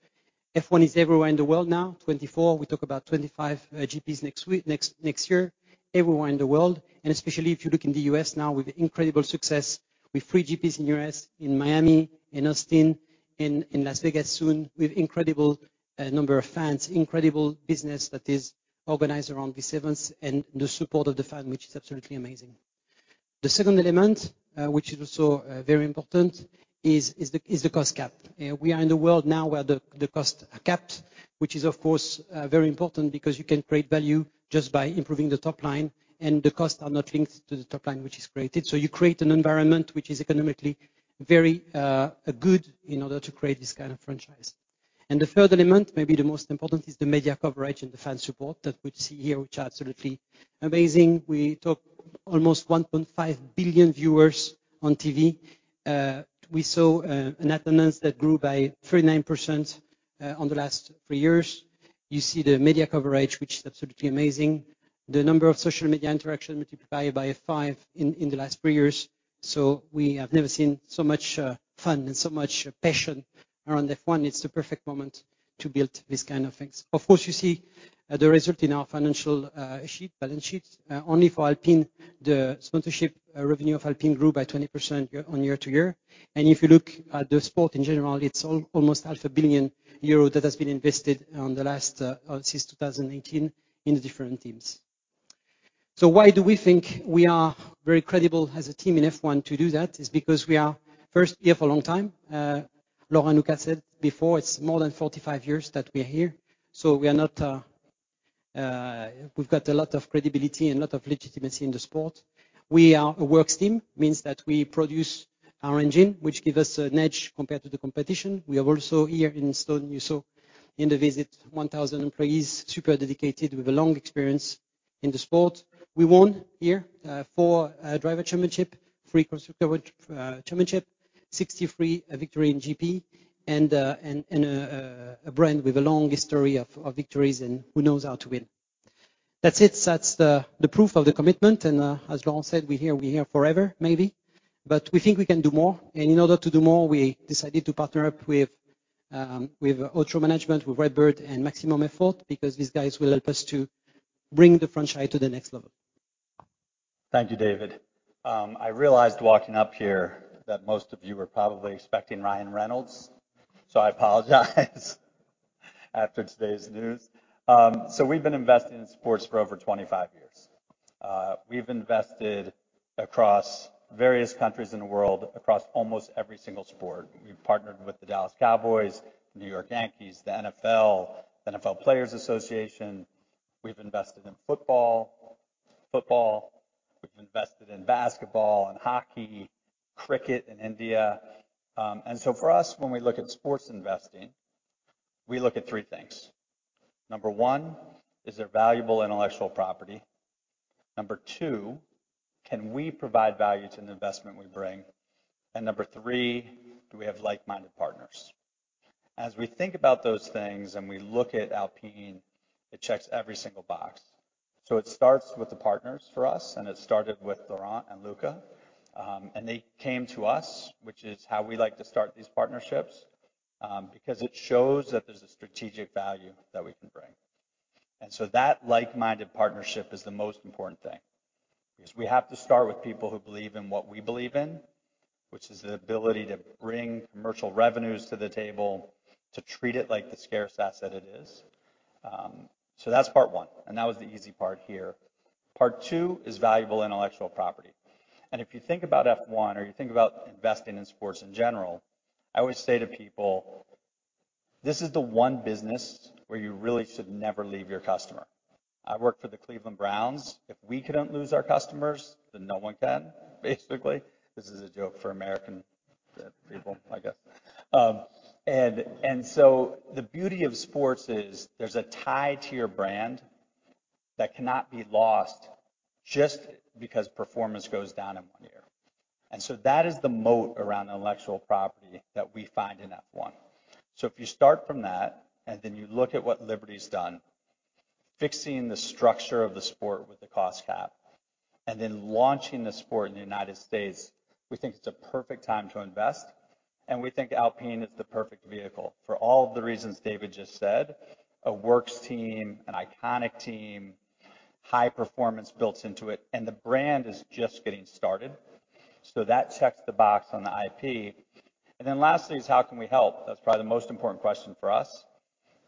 F1 is everywhere in the world now. 24, we talk about 25 GPs next week, next year, everywhere in the world. Especially if you look in the U.S. now, with incredible success, with three GPs in U.S., in Miami, in Austin, in Las Vegas soon, with incredible number of fans, incredible business that is organized around these events. The support of the fan, which is absolutely amazing. The second element, which is also very important is the cost cap. We are in a world now where the costs are capped, which is, of course, very important because you can create value just by improving the top line, and the costs are not linked to the top line, which is created. You create an environment which is economically very good in order to create this kind of franchise. The third element, maybe the most important, is the media coverage and the fan support that we see here, which are absolutely amazing. We talk almost 1.5 billion viewers on TV. We saw an attendance that grew by 39% on the last three years. You see the media coverage, which is absolutely amazing. The number of social media interaction multiplied by five in the last three years, so we have never seen so much fun and so much passion around F1. It's the perfect moment to build these kind of things. Of course, you see the result in our financial sheet, balance sheet. Only for Alpine, the sponsorship revenue of Alpine grew by 20% year on year to year. If you look at the sport in general, it's almost 500 million euro that has been invested on the last since 2018 in the different teams. Why do we think we are very credible as a team in F1 to do that? Is because we are, first, here for a long time. Laurent Rossi said before, it's more than 45 years that we are here, so we are not, we've got a lot of credibility and a lot of legitimacy in the sport. We are a works team, means that we produce our engine, which give us an edge compared to the competition. We are also here in stone, you saw in the visit, 1,000 employees, super dedicated, with a long experience in the sport. We won here, four driver championship, three constructor championship, 63 victory in GP, and a brand with a long history of victories and who knows how to win. That's it. That's the proof of the commitment, and as Laurent said, we're here, we're here forever, maybe. We think we can do more, and in order to do more, we decided to partner up with Otro Capital Management, with RedBird, and Maximum Effort, because these guys will help us to bring the franchise to the next level.
Thank you, David. I realized walking up here that most of you were probably expecting Ryan Reynolds, so I apologize, after today's news. We've been investing in sports for over 25 years. We've invested across various countries in the world, across almost every single sport. We've partnered with the Dallas Cowboys, New York Yankees, the NFL Players Association.... We've invested in football, we've invested in basketball and hockey, cricket in India. For us, when we look at sports investing, we look at three things. Number one, is there valuable intellectual property? Number two, can we provide value to the investment we bring? Number three, do we have like-minded partners? As we think about those things, and we look at Alpine, it checks every single box. It starts with the partners for us, and it started with Laurent and Luca. They came to us, which is how we like to start these partnerships, because it shows that there's a strategic value that we can bring. That like-minded partnership is the most important thing, because we have to start with people who believe in what we believe in, which is the ability to bring commercial revenues to the table, to treat it like the scarce asset it is. So that's part one, and that was the easy part here. Part two is valuable intellectual property. If you think about F1 or you think about investing in sports in general, I always say to people, "This is the one business where you really should never leave your customer." I worked for the Cleveland Browns. If we couldn't lose our customers, then no one can, basically. This is a joke for American people, I guess. The beauty of sports is there's a tie to your brand that cannot be lost just because performance goes down in one year. That is the moat around intellectual property that we find in F1. If you start from that, then you look at what Liberty's done, fixing the structure of the sport with the cost cap, then launching the sport in the United States, we think it's a perfect time to invest, and we think Alpine is the perfect vehicle for all of the reasons David just said, a works team, an iconic team, high performance built into it, and the brand is just getting started. That checks the box on the IP. Lastly, is how can we help? That's probably the most important question for us.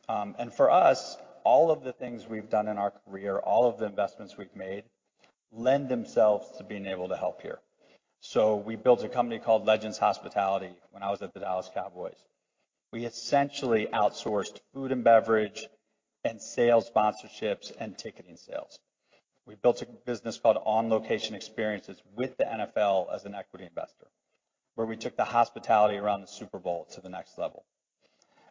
For us, all of the things we've done in our career, all of the investments we've made, lend themselves to being able to help here. We built a company called Legends Hospitality when I was at the Dallas Cowboys. We essentially outsourced food and beverage and sales sponsorships and ticketing sales. We built a business called On Location Experiences with the NFL as an equity investor, where we took the hospitality around the Super Bowl to the next level.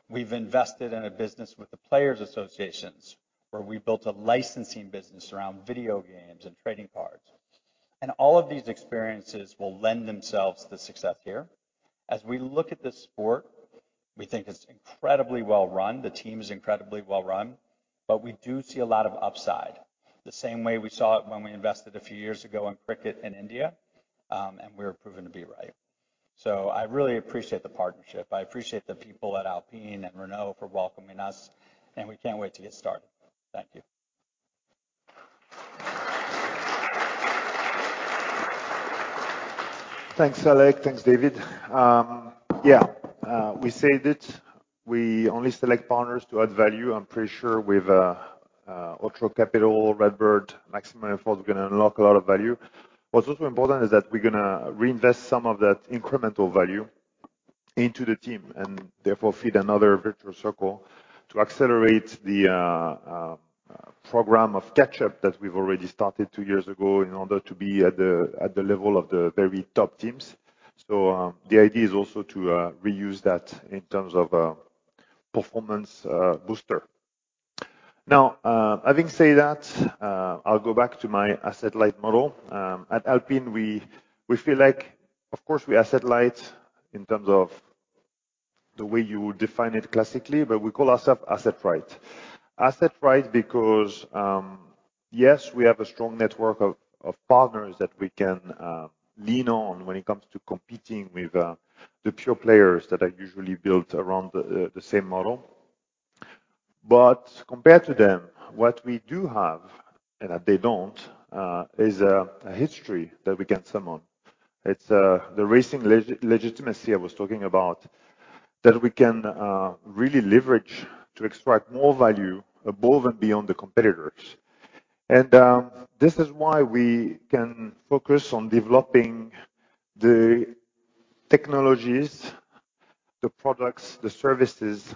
We've invested in a business with the Players Associations, where we built a licensing business around video games and trading cards. All of these experiences will lend themselves to success here. As we look at this sport, we think it's incredibly well run, the team is incredibly well run, but we do see a lot of upside, the same way we saw it when we invested a few years ago in cricket in India, and we were proven to be right. I really appreciate the partnership. I appreciate the people at Alpine and Renault for welcoming us. We can't wait to get started. Thank you.
Thanks, Alec. Thanks, David. Yeah, we said it, we only select partners to add value. I'm pretty sure with Otro Capital, RedBird, Maximum Effort, we're going to unlock a lot of value. What's also important is that we're going to reinvest some of that incremental value into the team, and therefore feed another virtual circle to accelerate the program of catch-up that we've already started two years ago in order to be at the level of the very top teams. The idea is also to reuse that in terms of a performance booster. Now, having said that, I'll go back to my asset-light model. At Alpine, we feel like, of course, we are asset light in terms of the way you would define it classically, but we call ourself asset-right. Asset-right, because, yes, we have a strong network of partners that we can lean on when it comes to competing with the pure players that are usually built around the same model. Compared to them, what we do have, and that they don't, is a history that we can summon. It's the racing legitimacy I was talking about, that we can really leverage to extract more value above and beyond the competitors. This is why we can focus on developing the technologies, the products, the services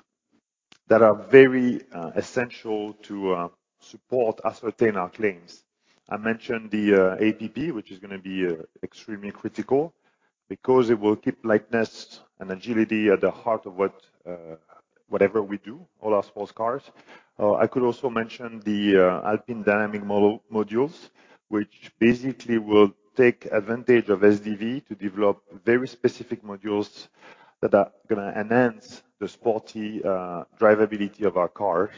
that are very essential to support us attain our claims. I mentioned the APP, which is going to be extremely critical because it will keep lightness and agility at the heart of whatever we do, all our sports cars. I could also mention the Alpine dynamic model modules, which basically will take advantage of SDV to develop very specific modules that are going to enhance the sporty drivability of our cars.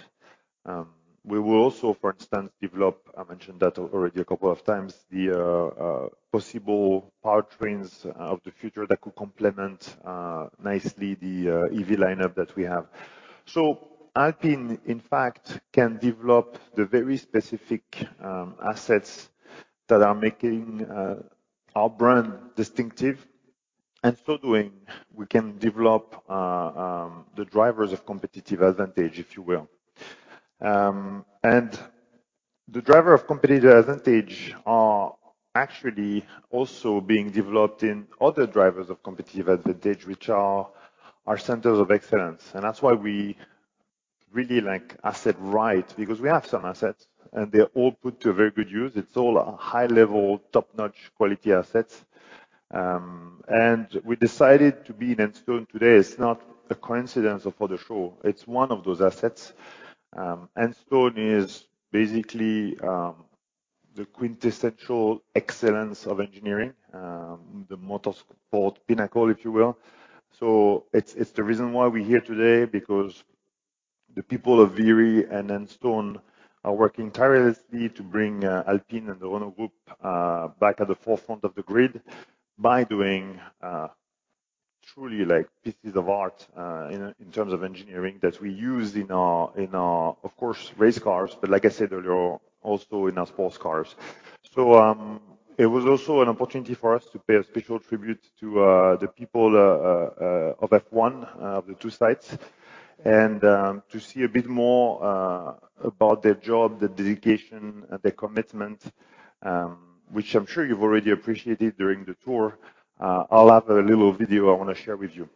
We will also, for instance, develop, I mentioned that already a couple of times, the possible powertrains of the future that could complement nicely the EV lineup that we have. Alpine, in fact, can develop the very specific assets that are making our brand distinctive, and so doing, we can develop the drivers of competitive advantage, if you will. The driver of competitive advantage are actually also being developed in other drivers of competitive advantage, which are our centers of excellence. That's why we really like asset-right, because we have some assets, and they're all put to very good use. It's all high-level, top-notch quality assets. We decided to be in Enstone today. It's not a coincidence or for the show, it's one of those assets. Enstone is basically the quintessential excellence of engineering, the motorsport pinnacle, if you will. It's the reason why we're here today, because the people of Viry and Enstone are working tirelessly to bring Alpine and the Renault Group back at the forefront of the grid by doing truly, like, pieces of art in terms of engineering that we use in our, in our, of course, race cars, but like I said earlier, also in our sports cars. It was also an opportunity for us to pay a special tribute to the people of F1, the two sites, and to see a bit more about their job, their dedication, and their commitment, which I'm sure you've already appreciated during the tour. I'll have a little video I want to share with you.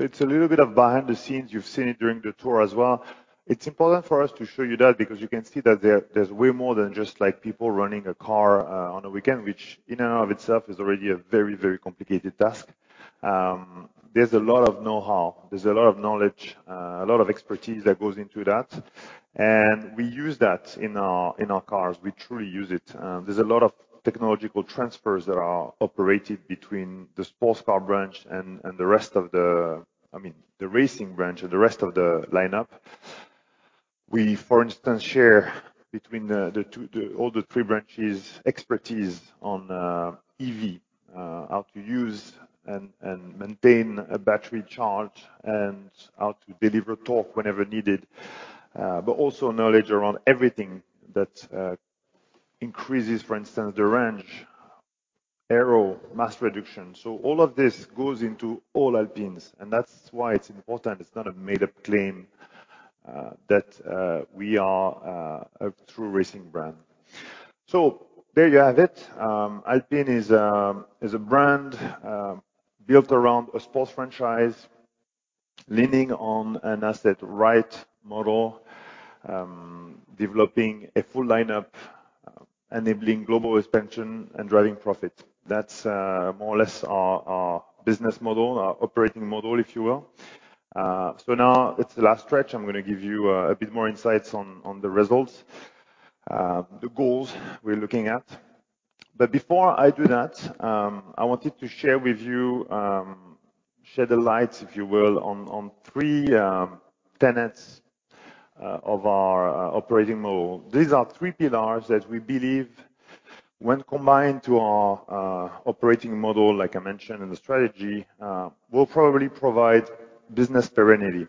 It's a little bit of behind the scenes. You've seen it during the tour as well. It's important for us to show you that, because you can see that there's way more than just, like, people running a car on a weekend, which in and of itself is already a very, very complicated task. There's a lot of know-how, there's a lot of knowledge, a lot of expertise that goes into that. We use that in our, in our cars. We truly use it. There's a lot of technological transfers that are operated between the sports car branch and the racing branch and the rest of the lineup. We, for instance, share between the two, the all the three branches' expertise on EV. How to use and maintain a battery charge and how to deliver torque whenever needed, but also knowledge around everything that increases, for instance, the range, aero, mass reduction. All of this goes into all Alpines. That's why it's important. It's not a made-up claim that we are a true racing brand. There you have it. Alpine is a brand built around a sports franchise, leaning on an asset-light model, developing a full lineup, enabling global expansion and driving profit. That's more or less our business model, our operating model, if you will. Now it's the last stretch. I'm going to give you a bit more insights on the results, the goals we're looking at. Before I do that, I wanted to share with you, shed the light, if you will, on three tenets of our operating model. These are three pillars that we believe, when combined to our operating model, like I mentioned in the strategy, will probably provide business serenity.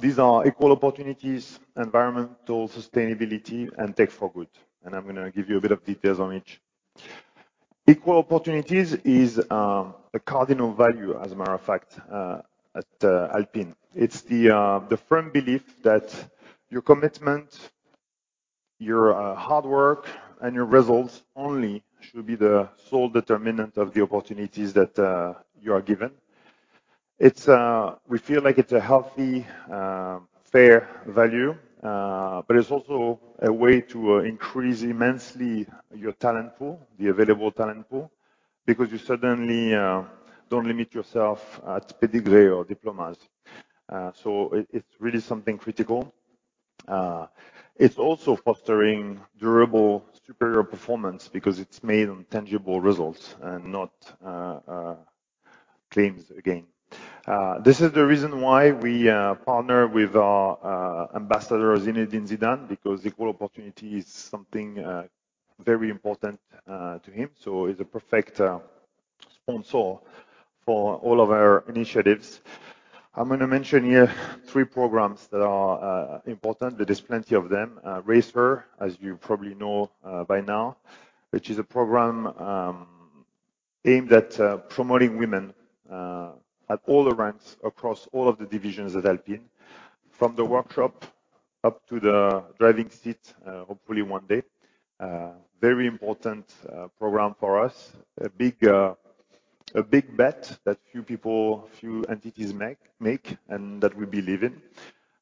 These are equal opportunities, environmental sustainability, and tech for good. I'm going to give you a bit of details on each. Equal opportunities is a cardinal value, as a matter of fact, at Alpine. It's the firm belief that your commitment, your hard work, and your results only should be the sole determinant of the opportunities that you are given. It's, we feel like it's a healthy, fair value, but it's also a way to increase immensely your talent pool, the available talent pool, because you suddenly don't limit yourself at pedigree or diplomas. It's really something critical. It's also fostering durable, superior performance because it's made on tangible results and not claims, again. This is the reason why we partner with our ambassador, Zinédine Zidane, because equal opportunity is something very important to him. He's a perfect sponsor for all of our initiatives. I'm gonna mention here three programs that are important, but there's plenty of them. Rac(H)er, as you probably know, by now, which is a program aimed at promoting women at all the ranks across all of the divisions at Alpine, from the workshop up to the driving seat, hopefully one day. Very important program for us. A big, a big bet that few people, few entities make and that we believe in.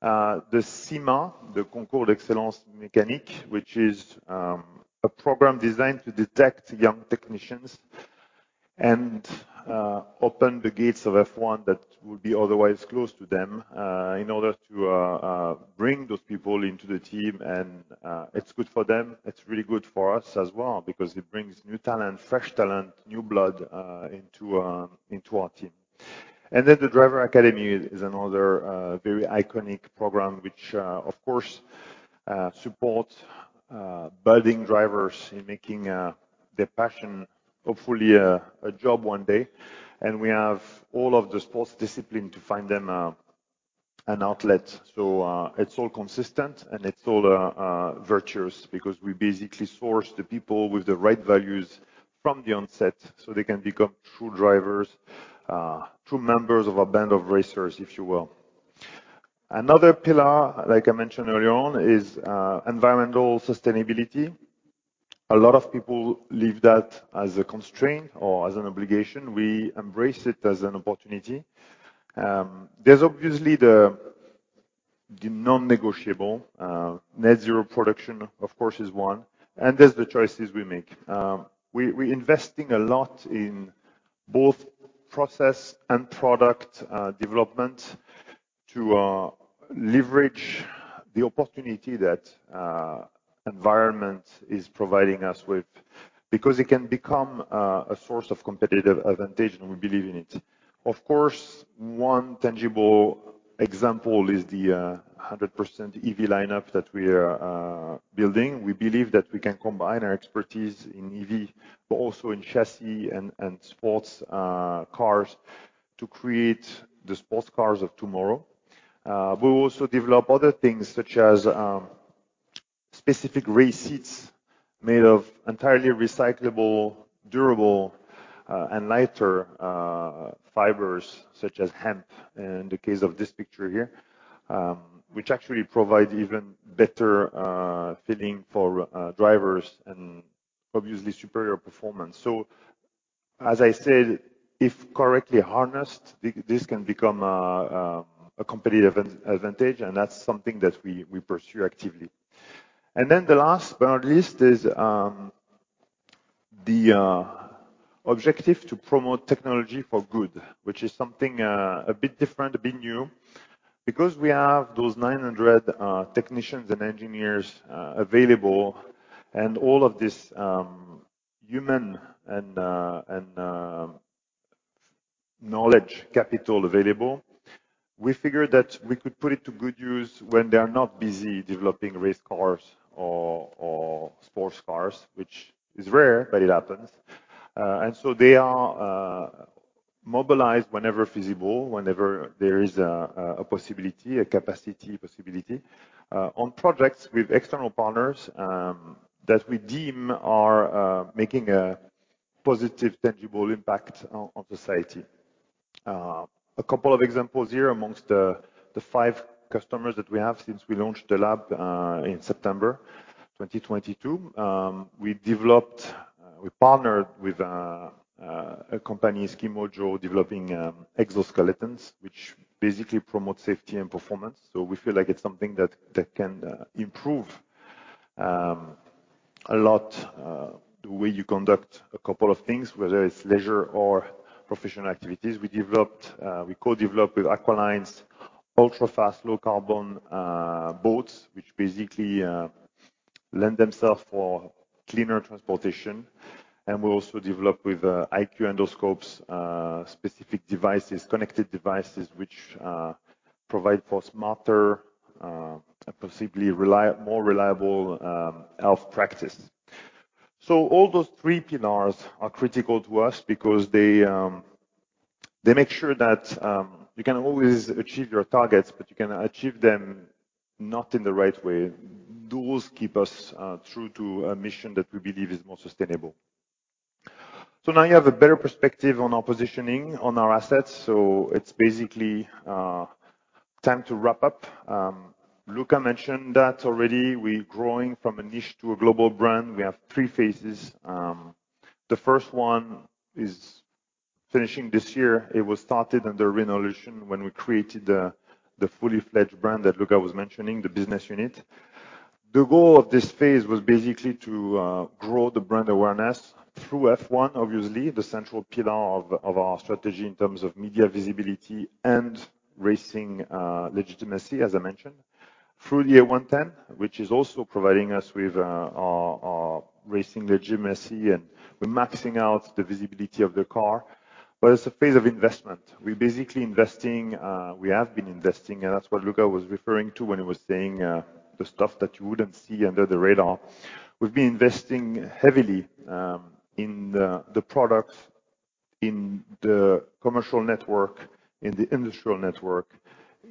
The CEMA, the Concours d'Excellence Mécanique Alpine, which is a program designed to detect young technicians and open the gates of F1 that would be otherwise closed to them, in order to bring those people into the team. It's good for them, it's really good for us as well, because it brings new talent, fresh talent, new blood into our team. The Alpine Academy is another very iconic program which of course supports budding drivers in making their passion, hopefully, a job one day. We have all of the sports discipline to find them an outlet. It's all consistent, and it's all virtuous, because we basically source the people with the right values from the onset, so they can become true drivers, true members of a band of racers, if you will. Another pillar, like I mentioned earlier on, is environmental sustainability. A lot of people leave that as a constraint or as an obligation. We embrace it as an opportunity. There's obviously the non-negotiable. Net zero production, of course, is one. There's the choices we make. We investing a lot in both process and product development, to leverage the opportunity that environment is providing us with, because it can become a source of competitive advantage. We believe in it. Of course, one tangible example is the 100% EV lineup that we are building. We believe that we can combine our expertise in EV, also in chassis and sports cars, to create the sports cars of tomorrow. We'll also develop other things, such as specific race seats made of entirely recyclable, durable, and lighter fibers, such as hemp, in the case of this picture here, which actually provide even better feeling for drivers and obviously superior performance. As I said, if correctly harnessed, this can become a competitive advantage, and that's something that we pursue actively. The last, but not least, is the objective to promote technology for good, which is something a bit different, a bit new. We have those 900 technicians and engineers available, and all of this human and knowledge capital available, we figured that we could put it to good use when they are not busy developing race cars or sports cars, which is rare, but it happens. They are mobilized whenever feasible, whenever there is a possibility, a capacity possibility, on projects with external partners that we deem are making a positive, tangible impact on society. A couple of examples here amongst the five customers that we have since we launched the lab in September 2022. We developed, we partnered with a company, Ski-Mojo, developing exoskeletons, which basically promotes safety and performance. We feel like it's something that can improve a lot the way you conduct a couple of things, whether it's leisure or professional activities. We developed, we co-developed with Aqualines, ultra-fast, low-carbon boats, which basically lend themselves for cleaner transportation. We also developed with IQ Endoscopes specific devices, connected devices, which provide for smarter and possibly more reliable health practice. All those three pillars are critical to us because they make sure that you can always achieve your targets, but you can achieve them not in the right way. Those keep us true to a mission that we believe is more sustainable. Now you have a better perspective on our positioning, on our assets, so it's basically time to wrap up. Luca mentioned that already. We're growing from a niche to a global brand. We have three phases. The first one is finishing this year. It was started under Renaulution when we created the fully fledged brand that Luca was mentioning, the business unit. The goal of this phase was basically to grow the brand awareness through F1, obviously, the central pillar of our strategy in terms of media visibility and racing legitimacy, as I mentioned. Through the A110, which is also providing us with our racing legitimacy. We're maxing out the visibility of the car. It's a phase of investment. We're basically investing. We have been investing, that's what Luca was referring to when he was saying the stuff that you wouldn't see under the radar. We've been investing heavily in the products, in the commercial network, in the industrial network,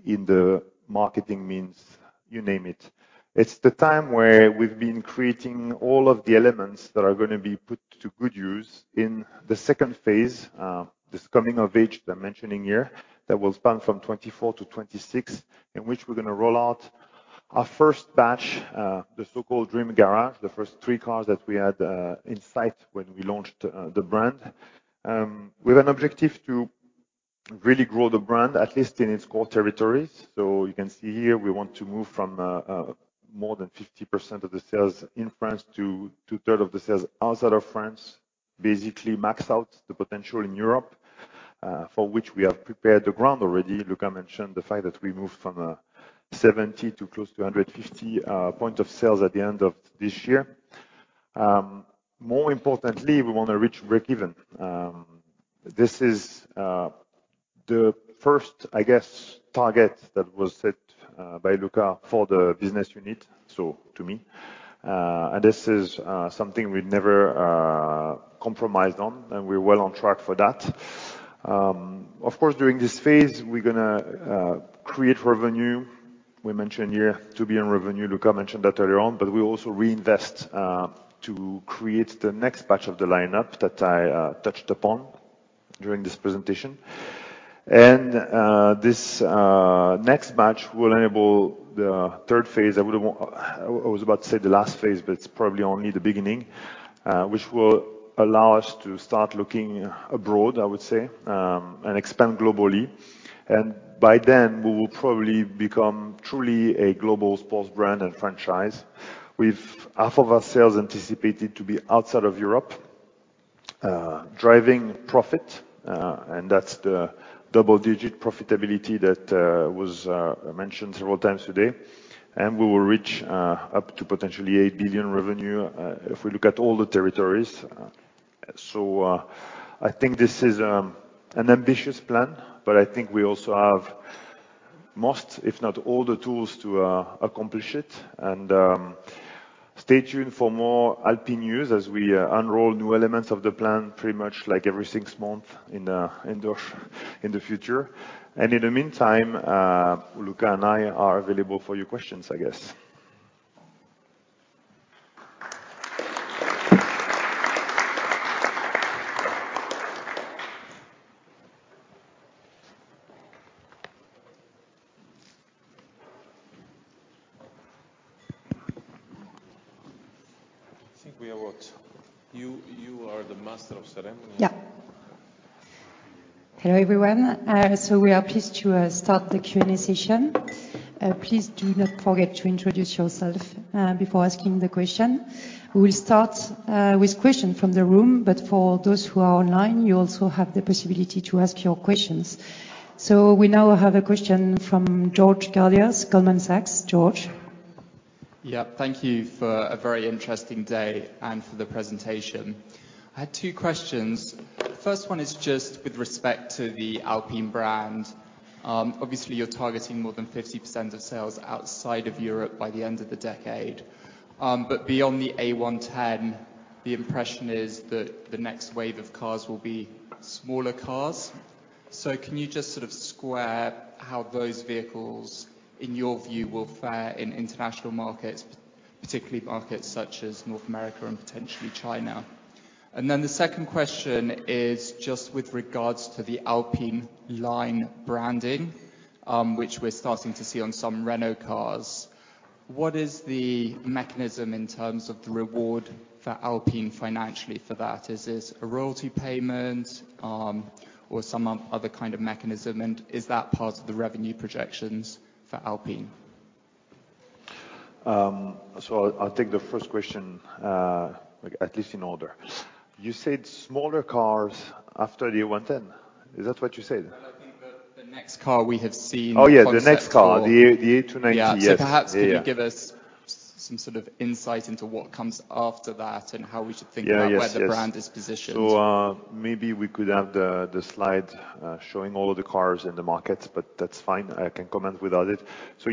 in the marketing means, you name it. It's the time where we've been creating all of the elements that are going to be put to good use in the second phase, this coming of age that I'm mentioning here, that will span from 2024 to 2026, in which we're going to roll out our first batch, the so-called Dream Garage, the first three cars that we had in sight when we launched the brand. We have an objective to really grow the brand, at least in its core territories. You can see here, we want to move from more than 50% of the sales in France to 2/3 of the sales outside of France. Basically, max out the potential in Europe, for which we have prepared the ground already. Luca mentioned the fact that we moved from 70 to close to 150 point of sales at the end of this year. More importantly, we want to reach breakeven. This is the first, I guess, target that was set by Luca for the business unit, so to me. This is something we'd never compromised on, and we're well on track for that. Of course, during this phase, we're going to create revenue. We mentioned here, to be in revenue. Luca mentioned that earlier on, but we also reinvest to create the next batch of the lineup that I touched upon during this presentation. This next batch will enable the third phase. I was about to say the last phase, but it's probably only the beginning, which will allow us to start looking abroad, I would say, and expand globally. By then, we will probably become truly a global sports brand and franchise. With half of our sales anticipated to be outside of Europe, driving profit, and that's the double-digit profitability that was mentioned several times today. We will reach up to potentially 8 billion revenue if we look at all the territories. I think this is an ambitious plan, but I think we also have most, if not all, the tools to accomplish it. Stay tuned for more Alpine news as we unroll new elements of the plan, pretty much like every six months in the future. In the meantime, Luca and I are available for your questions, I guess.
I think we are what? You are the Master of Ceremony.
Yeah. Hello, everyone. We are pleased to start the Q&A session. Please do not forget to introduce yourself before asking the question. We will start with question from the room, but for those who are online, you also have the possibility to ask your questions. We now have a question from George Galliers, Goldman Sachs. George?
Yeah, thank you for a very interesting day and for the presentation. I had two questions. First one is just with respect to the Alpine brand. Obviously, you're targeting more than 50% of sales outside of Europe by the end of the decade. Beyond the A110, the impression is that the next wave of cars will be smaller cars. Can you just sort of square how those vehicles, in your view, will fare in international markets, particularly markets such as North America and potentially China? The second question is just with regards to the Alpine line branding, which we're starting to see on some Renault cars. What is the mechanism in terms of the reward for Alpine financially for that? Is this a royalty payment, or some other kind of mechanism, and is that part of the revenue projections for Alpine?
I'll take the first question, at least in order. You said smaller cars after the A110. Is that what you said?
Well, I think the next car we have seen.
Oh, yeah, the next car.
The concept-
The A290.
Yeah.
Yes.
So perhaps-
Yeah, yeah....
can you give us some sort of insight into what comes after that, and how we should think about-
Yeah, yes....
where the brand is positioned?
Maybe we could have the slide showing all of the cars in the market, but that's fine. I can comment without it.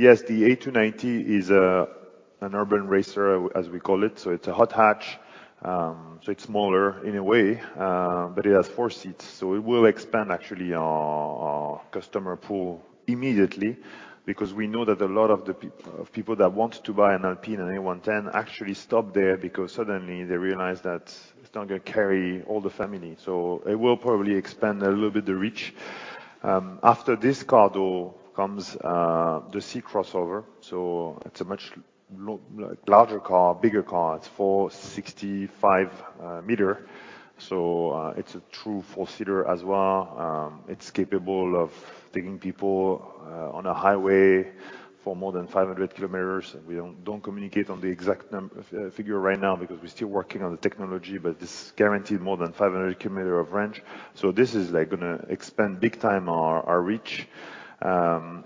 Yes, the A290 is an urban racer, as we call it. It's a hot hatch. It's smaller in a way, but it has 4 seats. It will expand actually our customer pool immediately, because we know that a lot of people that want to buy an Alpine, an A110, actually stop there because suddenly they realize that it's not going to carry all the family. It will probably expand a little bit the reach. After this car, though, comes the C-crossover, it's a much larger car, bigger car. It's 4.65 meter, it's a true four-seater as well. It's capable of taking people on a highway for more than 500 km, and we don't communicate on the exact figure right now because we're still working on the technology, but this guaranteed more than 500 km of range. This is, like, gonna expand big time our reach. Yeah.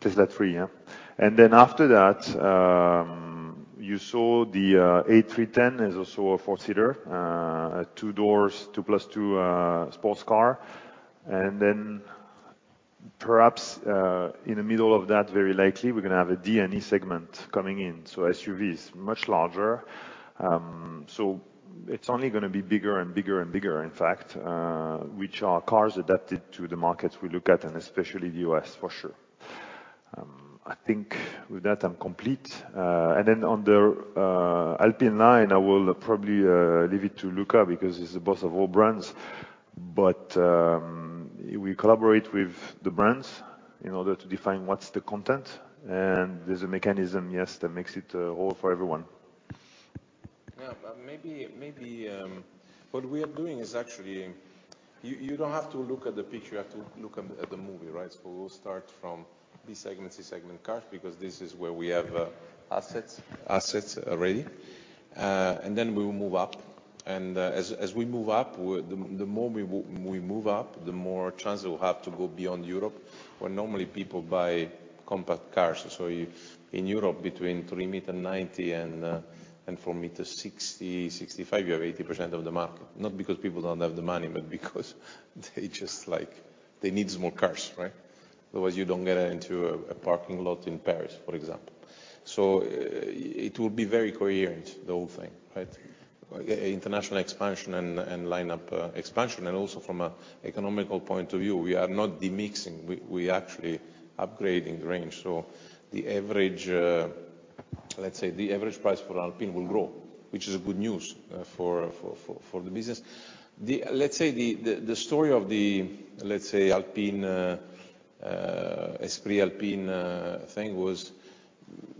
Place that free, yeah? After that, you saw the A310 is also a four-seater, two doors, 2+2 sports car. Perhaps, in the middle of that, very likely, we're gonna have a D and E segment coming in, so SUVs, much larger. It's only gonna be bigger and bigger and bigger, in fact, which are cars adapted to the markets we look at, and especially the U.S., for sure. I think with that, I'm complete. Then on the Alpine line, I will probably leave it to Luca, because he's the boss of all brands. We collaborate with the brands in order to define what's the content, and there's a mechanism, yes, that makes it all for everyone.
But maybe, what we are doing is actually. You don't have to look at the picture, you have to look at the movie, right. We'll start from B segment, C segment cars, because this is where we have assets already. And then we will move up, and as we move up, the more we move up, the more chances we'll have to go beyond Europe, where normally people buy compact cars. You, in Europe, between 3 meter 90 and 4 meter 60-65, you have 80% of the market. Not because people don't have the money, but because they just like, they need small cars, right. Otherwise, you don't get into a parking lot in Paris, for example. It will be very coherent, the whole thing, right. International expansion and lineup expansion, also from an economic point of view, we are not de-mixing, we actually upgrading the range. The average price for Alpine will grow, which is good news for the business. The story of the Alpine, Esprit Alpine thing was,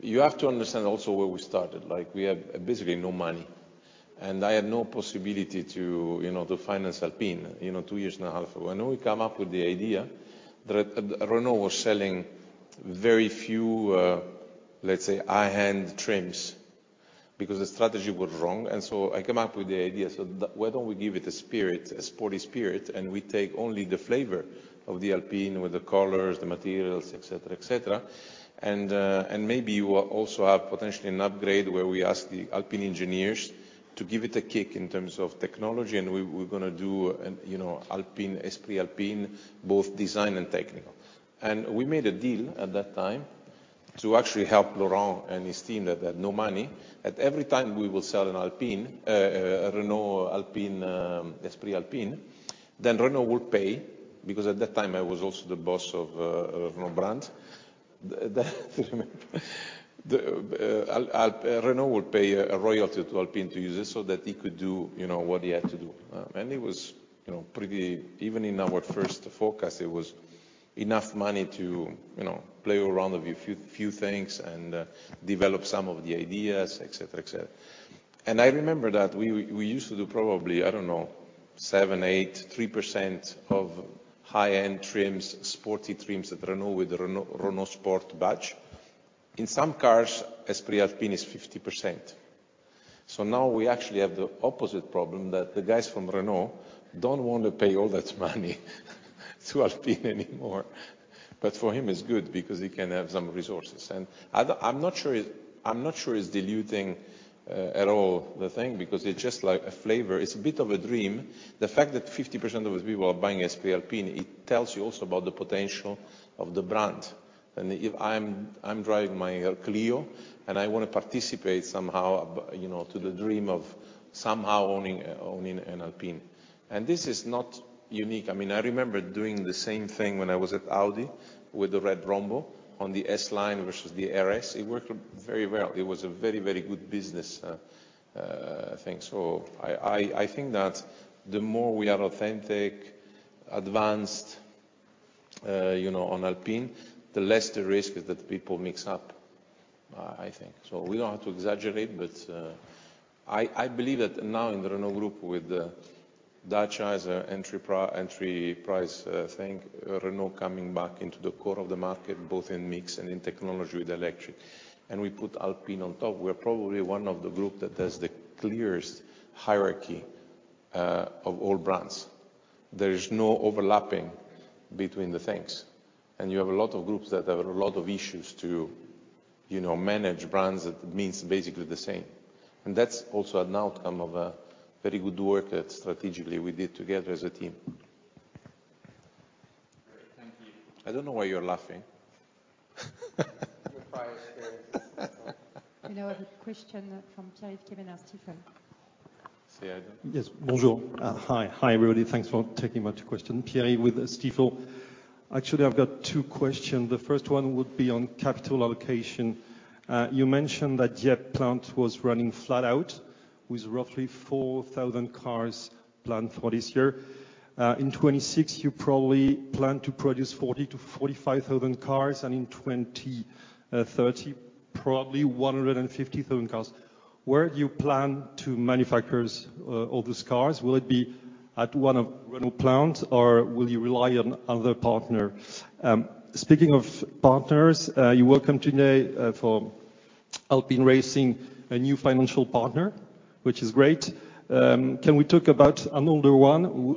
you have to understand also where we started. We had basically no money, and I had no possibility to, you know, to finance Alpine, you know, two and a half years ago. We come up with the idea that Renault was selling very few high-end trims, because the strategy went wrong. I come up with the idea, so why don't we give it a spirit, a sporty spirit, and we take only the flavor of the Alpine with the colors, the materials, et cetera, et cetera. Maybe you will also have potentially an upgrade where we ask the Alpine engineers to give it a kick in terms of technology, and we're gonna do, you know, Alpine, Esprit Alpine, both design and technical. We made a deal at that time to actually help Laurent and his team that had no money. At every time we will sell an Alpine, a Renault, Alpine, Esprit Alpine, then Renault will pay, because at that time I was also the boss of Renault Brand. Renault would pay a royalty to Alpine to use it, so that he could do, you know, what he had to do. Even in our first forecast, it was enough money to, you know, play around with a few things and develop some of the ideas, et cetera, et cetera. I remember that we used to do probably, I don't know, seven, eight, 3% of high-end trims, sporty trims at Renault with the Renault Sport badge. In some cars, Esprit Alpine is 50%. Now we actually have the opposite problem, that the guys from Renault don't want to pay all that money to Alpine anymore. For him, it's good, because he can have some resources. I'm not sure it, I'm not sure it's diluting at all the thing, because it's just like a flavor. It's a bit of a dream. The fact that 50% of the people are buying Esprit Alpine, it tells you also about the potential of the brand. If I'm driving my Clio, and I want to participate somehow, you know, to the dream of somehow owning an Alpine. This is not unique. I mean, I remember doing the same thing when I was at Audi with the red rhombus on the RS Line versus the RS. It worked very well. It was a very, very good business, I think. I, I think that the more we are authentic, advanced, you know, on Alpine, the less the risk is that people mix up, I think. We don't have to exaggerate, but I believe that now in the Renault Group, with the Dacia as an entry price thing, Renault coming back into the core of the market, both in mix and in technology with electric, and we put Alpine on top, we are probably one of the group that has the clearest hierarchy of all brands. There is no overlapping between the things, and you have a lot of groups that have a lot of issues to, you know, manage brands that means basically the same. That's also an outcome of a very good work that strategically we did together as a team.
Great, thank you.
I don't know why you're laughing.
You know, I have a question from Pierre-Yves Quemener at Stifel.
Yes. Bonjour. Hi, hi, everybody. Thanks for taking my question. Pierre with Stifel. Actually, I've got two questions. The first one would be on capital allocation. You mentioned that Dieppe plant was running flat-out with roughly 4,000 cars planned for this year. In 2026, you probably plan to produce 40,000-45,000 cars, and in 2030, probably 150,000 cars. Where do you plan to manufacture all these cars? Will it be at one of Renault plants, or will you rely on other partner? Speaking of partners, you welcome today for Alpine Racing, a new financial partner, which is great. Can we talk about an older one?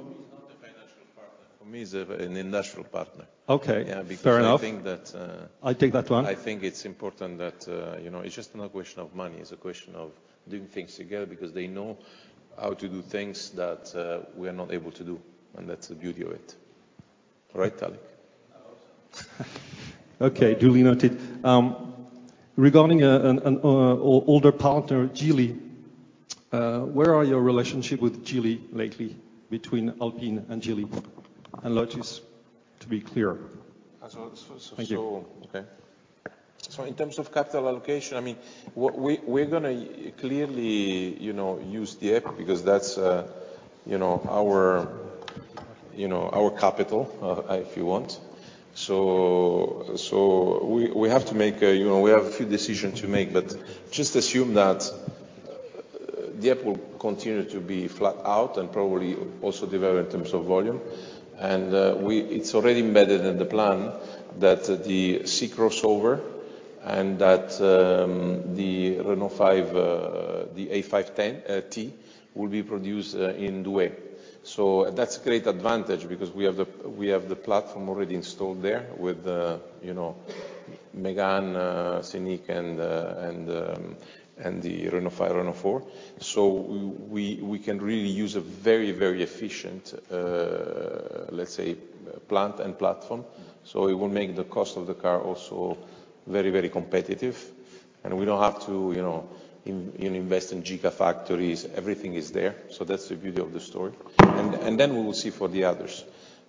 for me is an industrial partner.
Okay, fair enough.
Yeah, because I think that.
I'll take that one.
I think it's important that, you know, it's just not a question of money, it's a question of doing things together, because they know how to do things that we are not able to do, and that's the beauty of it. Right, Tali?
Of course. Okay, duly noted. Regarding older partner, Geely, where are your relationship with Geely lately, between Alpine and Geely? Lotus, to be clear.
So, s-so-
Thank you.
Okay. In terms of capital allocation, I mean, what we're gonna clearly, you know, use the app, because that's, you know, our, you know, our capital, if you want. We have to make a, you know, we have a few decisions to make. Just assume that the app will continue to be flat-out and probably also develop in terms of volume. It's already embedded in the plan that the C-crossover and that the Renault 5, the A290, will be produced in Douai. That's a great advantage, because we have the platform already installed there with, you know, Mégane, Scénic, and the Renault 5, Renault 4. We can really use a very efficient, let's say, plant and platform, it will make the cost of the car also very competitive. We don't have to, you know, invest in gigafactories. Everything is there. That's the beauty of the story. Then we will see for the others.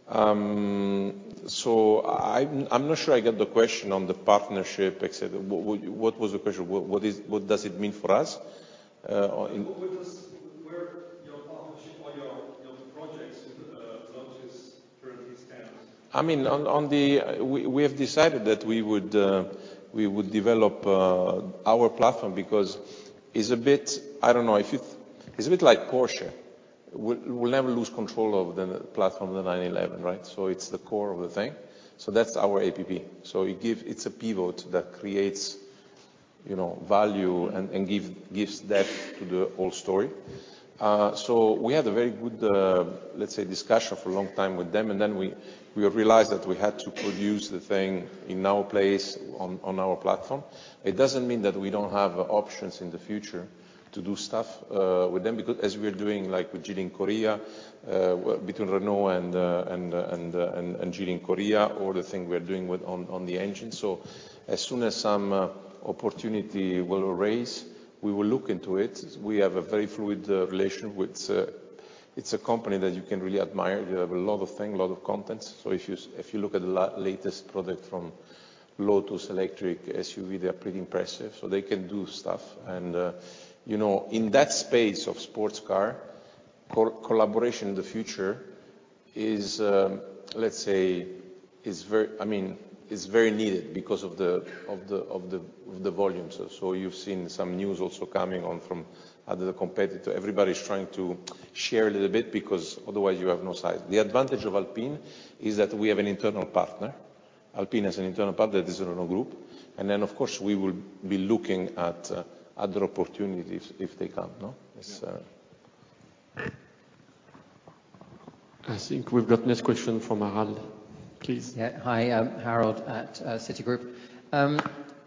I'm not sure I get the question on the partnership, et cetera. What was the question? What is... What does it mean for us?
Where your partnership or your projects with Lotus currently stand?
I mean, on the... We have decided that we would develop our platform, because it's a bit, I don't know, it's a bit like Porsche. We'll never lose control over the platform, the 911, right? It's the core of the thing. That's our APP. It's a pivot that creates, you know, value and gives depth to the whole story. We had a very good, let's say, discussion for a long time with them, we realized that we had to produce the thing in our place, on our platform. It doesn't mean that we don't have options in the future to do stuff with them, because as we're doing, like with Geely in Korea, between Renault and Geely in Korea, or the thing we're doing with on the engine. As soon as some opportunity will arise, we will look into it. We have a very fluid relationship with. It's a company that you can really admire. They have a lot of things, a lot of content. If you look at the latest product from Lotus Electric SUV, they are pretty impressive, so they can do stuff. You know, in that space of sports car, collaboration in the future is, let's say, is very, I mean, is very needed because of the volumes. You've seen some news also coming on from other competitor. Everybody's trying to share a little bit because otherwise you have no size. The advantage of Alpine is that we have an internal partner. Alpine has an internal partner, that is Renault Group, and then, of course, we will be looking at other opportunities if they come, no? It's.
I think we've got next question from Harald. Please.
Yeah. Hi, I'm Harald at Citigroup.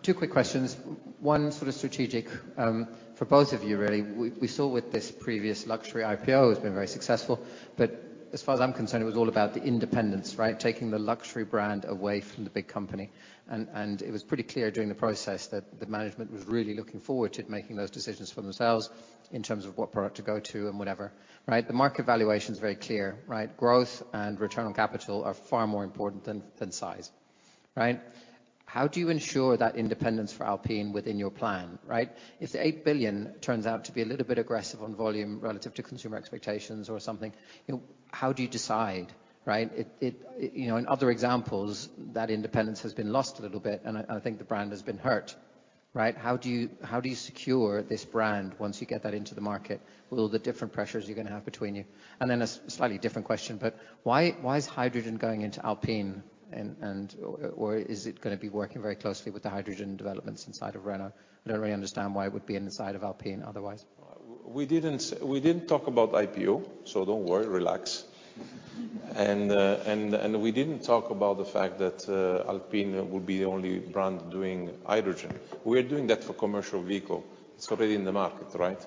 Two quick questions. One sort of strategic for both of you, really. We saw with this previous luxury IPO, it's been very successful, but as far as I'm concerned, it was all about the independence, right? Taking the luxury brand away from the big company. It was pretty clear during the process that the management was really looking forward to making those decisions for themselves in terms of what product to go to and whatever, right? The market valuation is very clear, right? Growth and return on capital are far more important than size, right? How do you ensure that independence for Alpine within your plan, right? If the 8 billion turns out to be a little bit aggressive on volume relative to consumer expectations or something, you know, how do you decide, right? It, you know, in other examples, that independence has been lost a little bit, and I think the brand has been hurt, right? How do you secure this brand once you get that into the market, with all the different pressures you're going to have between you? A slightly different question, why is hydrogen going into Alpine, and or is it going to be working very closely with the hydrogen developments inside of Renault? I don't really understand why it would be inside of Alpine otherwise.
We didn't talk about IPO, so don't worry, relax. We didn't talk about the fact that Alpine would be the only brand doing hydrogen. We're doing that for commercial vehicle. It's already in the market, right?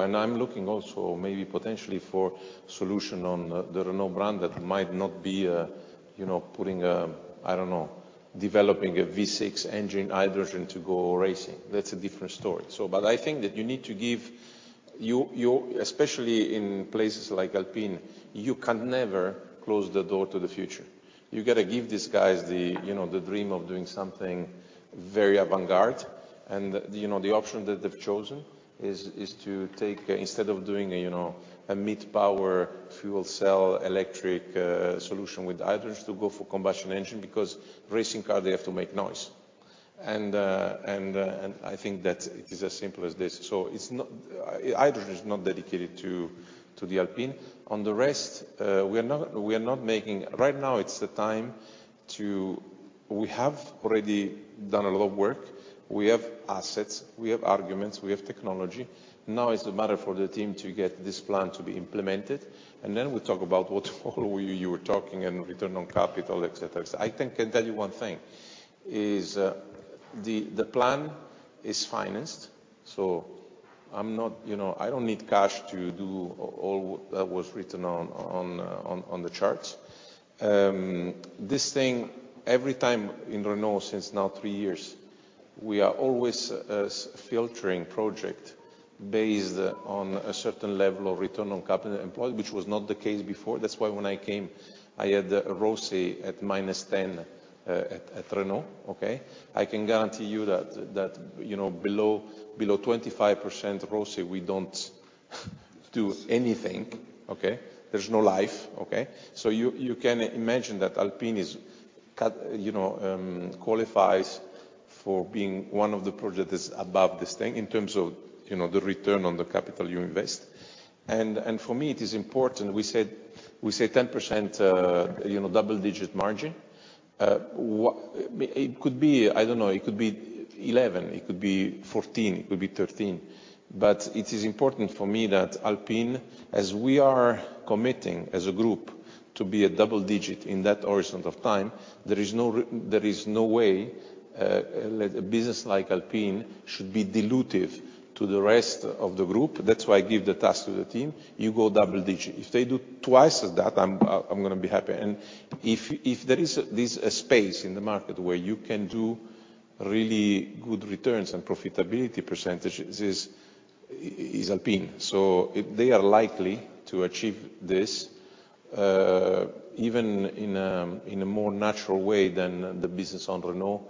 I'm looking also maybe potentially for solution on the Renault brand that might not be, you know, putting a, I don't know, developing a V6 engine hydrogen to go racing. That's a different story. I think that you need to give, you, especially in places like Alpine, you can never close the door to the future. You gotta give these guys the, you know, the dream of doing something very avant-garde. you know, the option that they've chosen is to take, instead of doing, you know, a mid-power fuel cell electric solution with hydrogen, to go for combustion engine, because racing car, they have to make noise. I think that it is as simple as this. hydrogen is not dedicated to the Alpine. On the rest, we are not making. Right now, it's the time to. We have already done a lot of work. We have assets, we have arguments, we have technology. Now it's a matter for the team to get this plan to be implemented, and then we talk about what all you were talking, and return on capital, et cetera, et cetera. I think I can tell you one thing, is, the plan is financed. I'm not, you know, I don't need cash to do all that was written on the charts. This thing, every time in Renault since now three years, we are always filtering project based on a certain level of return on capital employed, which was not the case before. That's why when I came, I had a ROCE at -10, at Renault, okay? I can guarantee you that, you know, below 25% ROCE, we don't do anything, okay? There's no life, okay? You, you can imagine that Alpine is cut... You know, qualifies for being one of the projects that's above this thing in terms of, you know, the return on the capital you invest. For me, it is important. We say 10%, you know, double-digit margin. It could be, I don't know, it could be 11, it could be 14, it could be 13. It is important for me that Alpine, as we are committing as a group to be a double-digit in that horizon of time, there is no way a business like Alpine should be dilutive to the rest of the group. That's why I give the task to the team. You go double-digit. If they do twice as that, I'm gonna be happy. If there is this space in the market where you can do really good returns and profitability %, is Alpine. If they are likely to achieve this, even in a more natural way than the business on Renault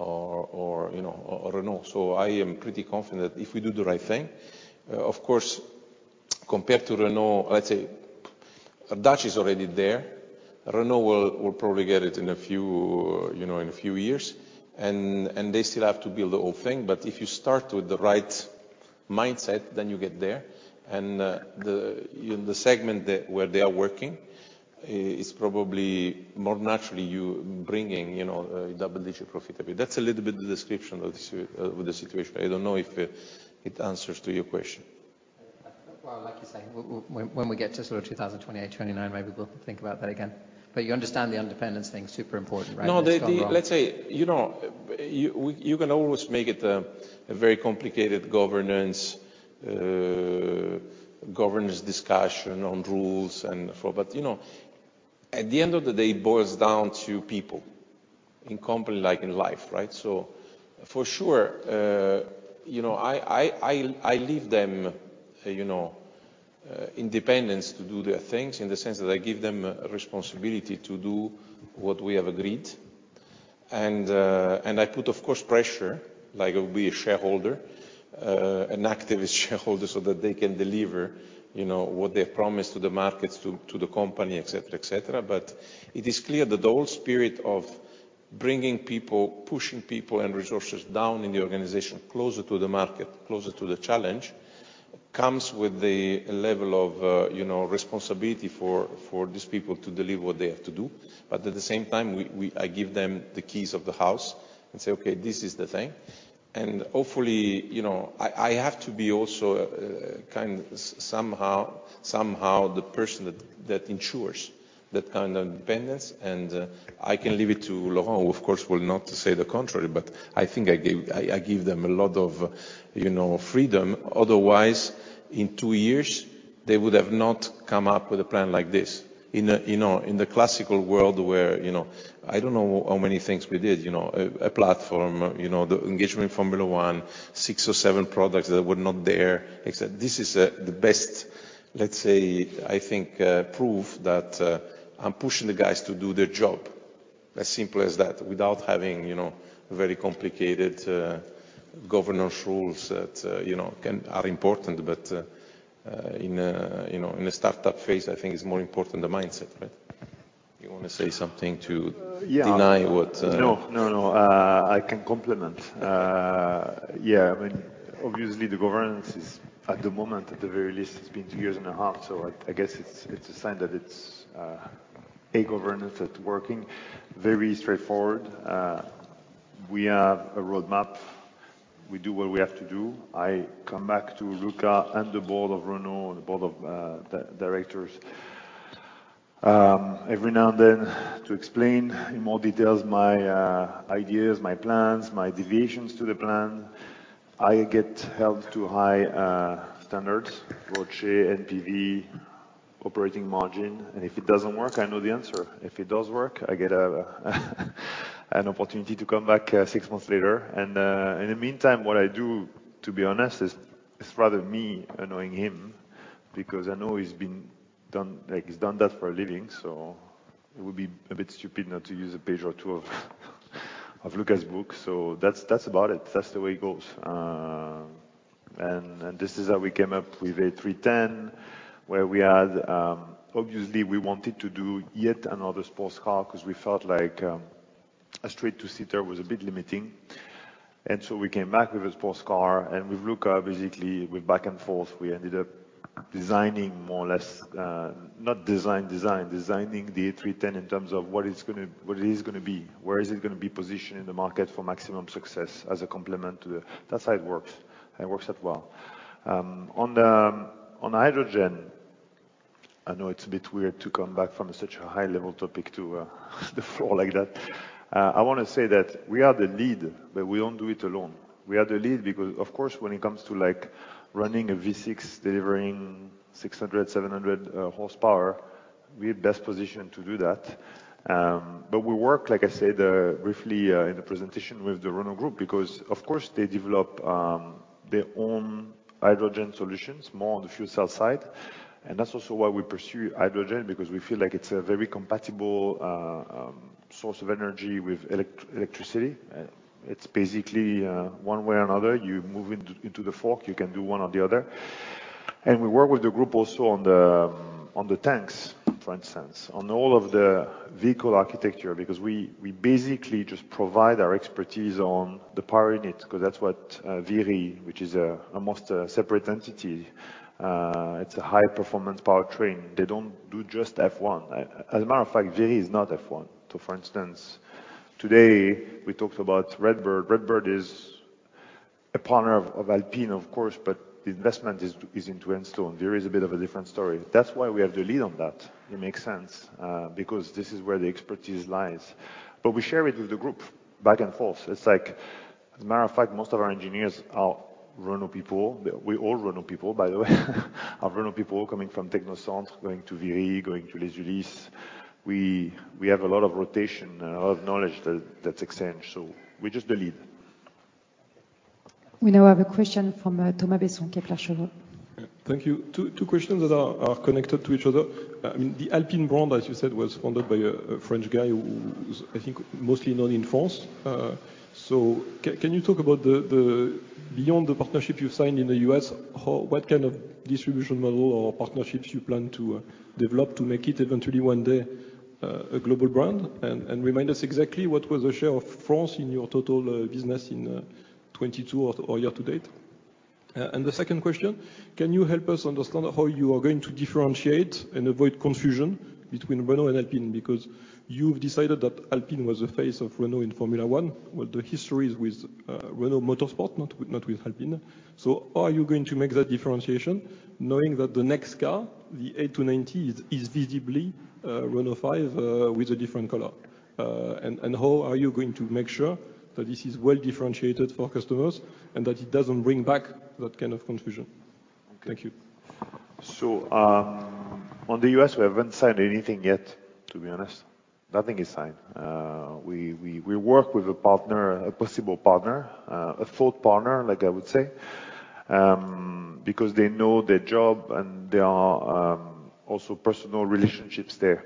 or, you know, or Renault. I am pretty confident if we do the right thing, of course, compared to Renault, let's say Dacia is already there. Renault will probably get it in a few, you know, in a few years, and they still have to build the whole thing. If you start with the right mindset, then you get there, and the segment that, where they are working is probably more naturally you bringing, you know, double-digit profitability. That's a little bit of the description of the situation. I don't know if it answers to your question.
Well, like you're saying, when we get to sort of 2028, 2029, maybe we'll think about that again. You understand the independence thing, super important, right?
No, the Let's say, you know, you, we, you can always make it a very complicated governance discussion on rules and so, but, you know, at the end of the day, it boils down to people, in company like in life, right? For sure, you know, I leave them, you know, independence to do their things, in the sense that I give them responsibility to do what we have agreed. I put, of course, pressure, like a big shareholder, an activist shareholder, so that they can deliver, you know, what they've promised to the markets, to the company, et cetera, et cetera. It is clear that the whole spirit of bringing people, pushing people and resources down in the organization, closer to the market, closer to the challenge, comes with the level of, you know, responsibility for these people to deliver what they have to do. At the same time, we, I give them the keys of the house and say, "Okay, this is the thing." Hopefully, you know, I have to be also, kind somehow, the person that ensures that kind of independence, and I can leave it to Laurent, who, of course, will not say the contrary, but I think I give them a lot of, you know, freedom. In two years, they would have not come up with a plan like this. In a, you know, in the classical world where, you know, I don't know how many things we did, you know, a platform, you know, the engagement in Formula One, six or seven products that were not there, except this is the best, let's say, I think, proof that I'm pushing the guys to do their job. As simple as that, without having, you know, very complicated governance rules that, you know, are important, but in, you know, in a startup phase, I think it's more important the mindset, right? You want to say something.
Yeah.
Deny what?
No, no. I can complement. Yeah, I mean, obviously the governance is, at the moment, at the very least, it's been two years and a half, so I guess it's a sign that it's a governance that's working. Very straightforward. We have a roadmap. We do what we have to do. I come back to Luca and the board of Renault and the board of directors every now and then to explain in more details my ideas, my plans, my deviations to the plan. I get held to high standards, ROCE, NPV, operating margin, and if it doesn't work, I know the answer. If it does work, I get an opportunity to come back 6 months later. In the meantime, what I do, to be honest, is it's rather me annoying him, because I know he's been done, like, he's done that for a living, so it would be a bit stupid not to use a page or two of Luca's book. That's about it. That's the way it goes. This is how we came up with A310, where we had, obviously, we wanted to do yet another sports car, 'cause we felt like a straight two-seater was a bit limiting. We came back with a sports car, and with Luca, basically, with back and forth, we ended up designing more or less, not designing the A310 in terms of what it's gonna, what it is gonna be. Where is it gonna be positioned in the market for maximum success as a complement to the... That's how it works. It works out well. On the, on hydrogen, I know it's a bit weird to come back from such a high-level topic to the floor like that. I want to say that we are the lead, but we don't do it alone. We are the lead because, of course, when it comes to, like, running a V6, delivering 600, 700 horsepower, we're best positioned to do that. We work, like I said, briefly, in the presentation with the Renault Group, because of course, they develop their own hydrogen solutions more on the fuel cell side. That's also why we pursue hydrogen, because we feel like it's a very compatible source of energy with electricity. It's basically, one way or another, you move into the fork, you can do one or the other. We work with the group also on the, on the tanks, for instance, on all of the vehicle architecture, because we basically just provide our expertise on the power unit, 'cause that's what, Viry-Châtillon, which is, almost a separate entity. It's a high-performance powertrain. They don't do just F1. As a matter of fact, Viry-Châtillon is not F1. For instance, today, we talked about RedBird. RedBird is a partner of Alpine, of course, but the investment is into Enstone. Viry-Châtillon is a bit of a different story. That's why we have the lead on that. It makes sense, because this is where the expertise lies. We share it with the group back and forth. It's like, as a matter of fact, most of our engineers are Renault people. We're all Renault people, by the way. Are Renault people coming from Technocentre, going to Viry-Châtillon, going to Les Ulis. We have a lot of rotation, a lot of knowledge that's exchanged. We're just the lead.
We now have a question from, Thomas Besson, Kepler Cheuvreux.
Thank you. Two questions that are connected to each other. I mean, the Alpine brand, as you said, was founded by a French guy who is, I think, mostly known in France. Can you talk about beyond the partnership you've signed in the US, how, what kind of distribution model or partnerships you plan to develop to make it eventually one day a global brand? Remind us exactly what was the share of France in your total business in 22 or year to date. The second question, can you help us understand how you are going to differentiate and avoid confusion between Renault and Alpine? Because you've decided that Alpine was the face of Renault in Formula One, but the history is with Renault Motorsport, not with Alpine. Are you going to make that differentiation, knowing that the next car, the A290, is visibly Renault 5 with a different color? How are you going to make sure that this is well-differentiated for customers, and that it doesn't bring back that kind of confusion? Thank you.
On the U.S., we haven't signed anything yet, to be honest. Nothing is signed. We work with a partner, a possible partner, a thought partner, like I would say, because they know their job and there are also personal relationships there.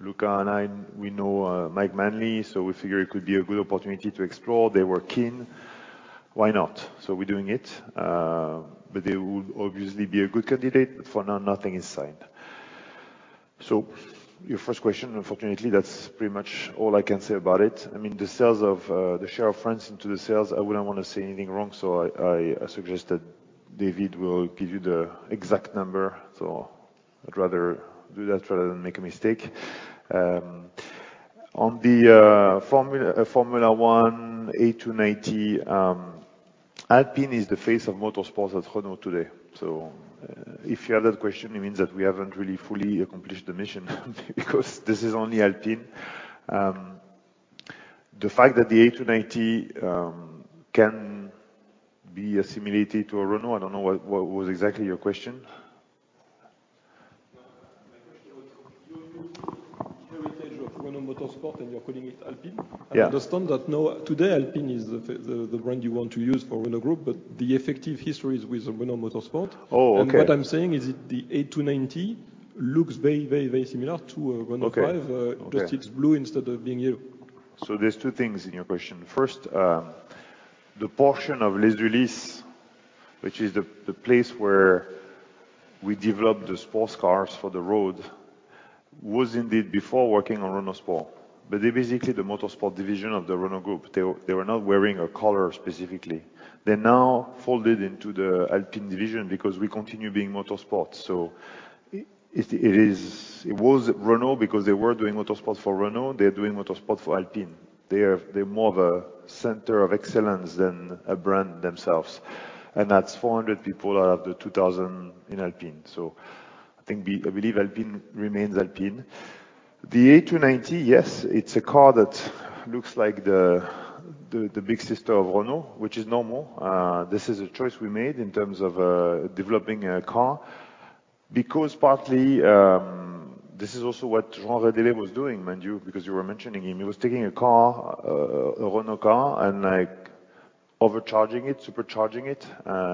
Luca and I, we know Mike Manley, we figure it could be a good opportunity to explore. They were keen. Why not? We're doing it, they would obviously be a good candidate. For now, nothing is signed. Your first question, unfortunately, that's pretty much all I can say about it. I mean, the sales of the share of France into the sales, I wouldn't want to say anything wrong, I suggest that David will give you the exact number. I'd rather do that rather than make a mistake. On the Formula 1 A290, Alpine is the face of motorsport at Renault today. If you have that question, it means that we haven't really fully accomplished the mission, because this is only Alpine. The fact that the A290 can be assimilated to a Renault, I don't know what was exactly your question?
My question was, you use the heritage of Renault Motorsport, and you're calling it Alpine.
Yeah.
I understand that now, today, Alpine is the brand you want to use for Renault Group, but the effective history is with Renault Motorsport.
Oh, okay.
What I'm saying is that the A290 looks very, very, very similar to Renault 5.
Okay.
just it's blue instead of being yellow.
There's 2 things in your question. First, the portion of Les Ulis, which is the place where we developed the sports cars for the road, was indeed before working on Renault Sport, but they're basically the motorsport division of the Renault Group. They were not wearing a color specifically. They're now folded into the Alpine division because we continue being motorsport. It was Renault because they were doing motorsport for Renault. They're doing motorsport for Alpine. They're more of a center of excellence than a brand themselves, and that's 400 people out of the 2,000 in Alpine. I think, I believe Alpine remains Alpine. The A290, yes, it's a car that looks like the big sister of Renault, which is normal. This is a choice we made in terms of developing a car because partly, this is also what Jean Rédélé was doing, mind you, because you were mentioning him. He was taking a car, a Renault car, and, like, overcharging it, supercharging it.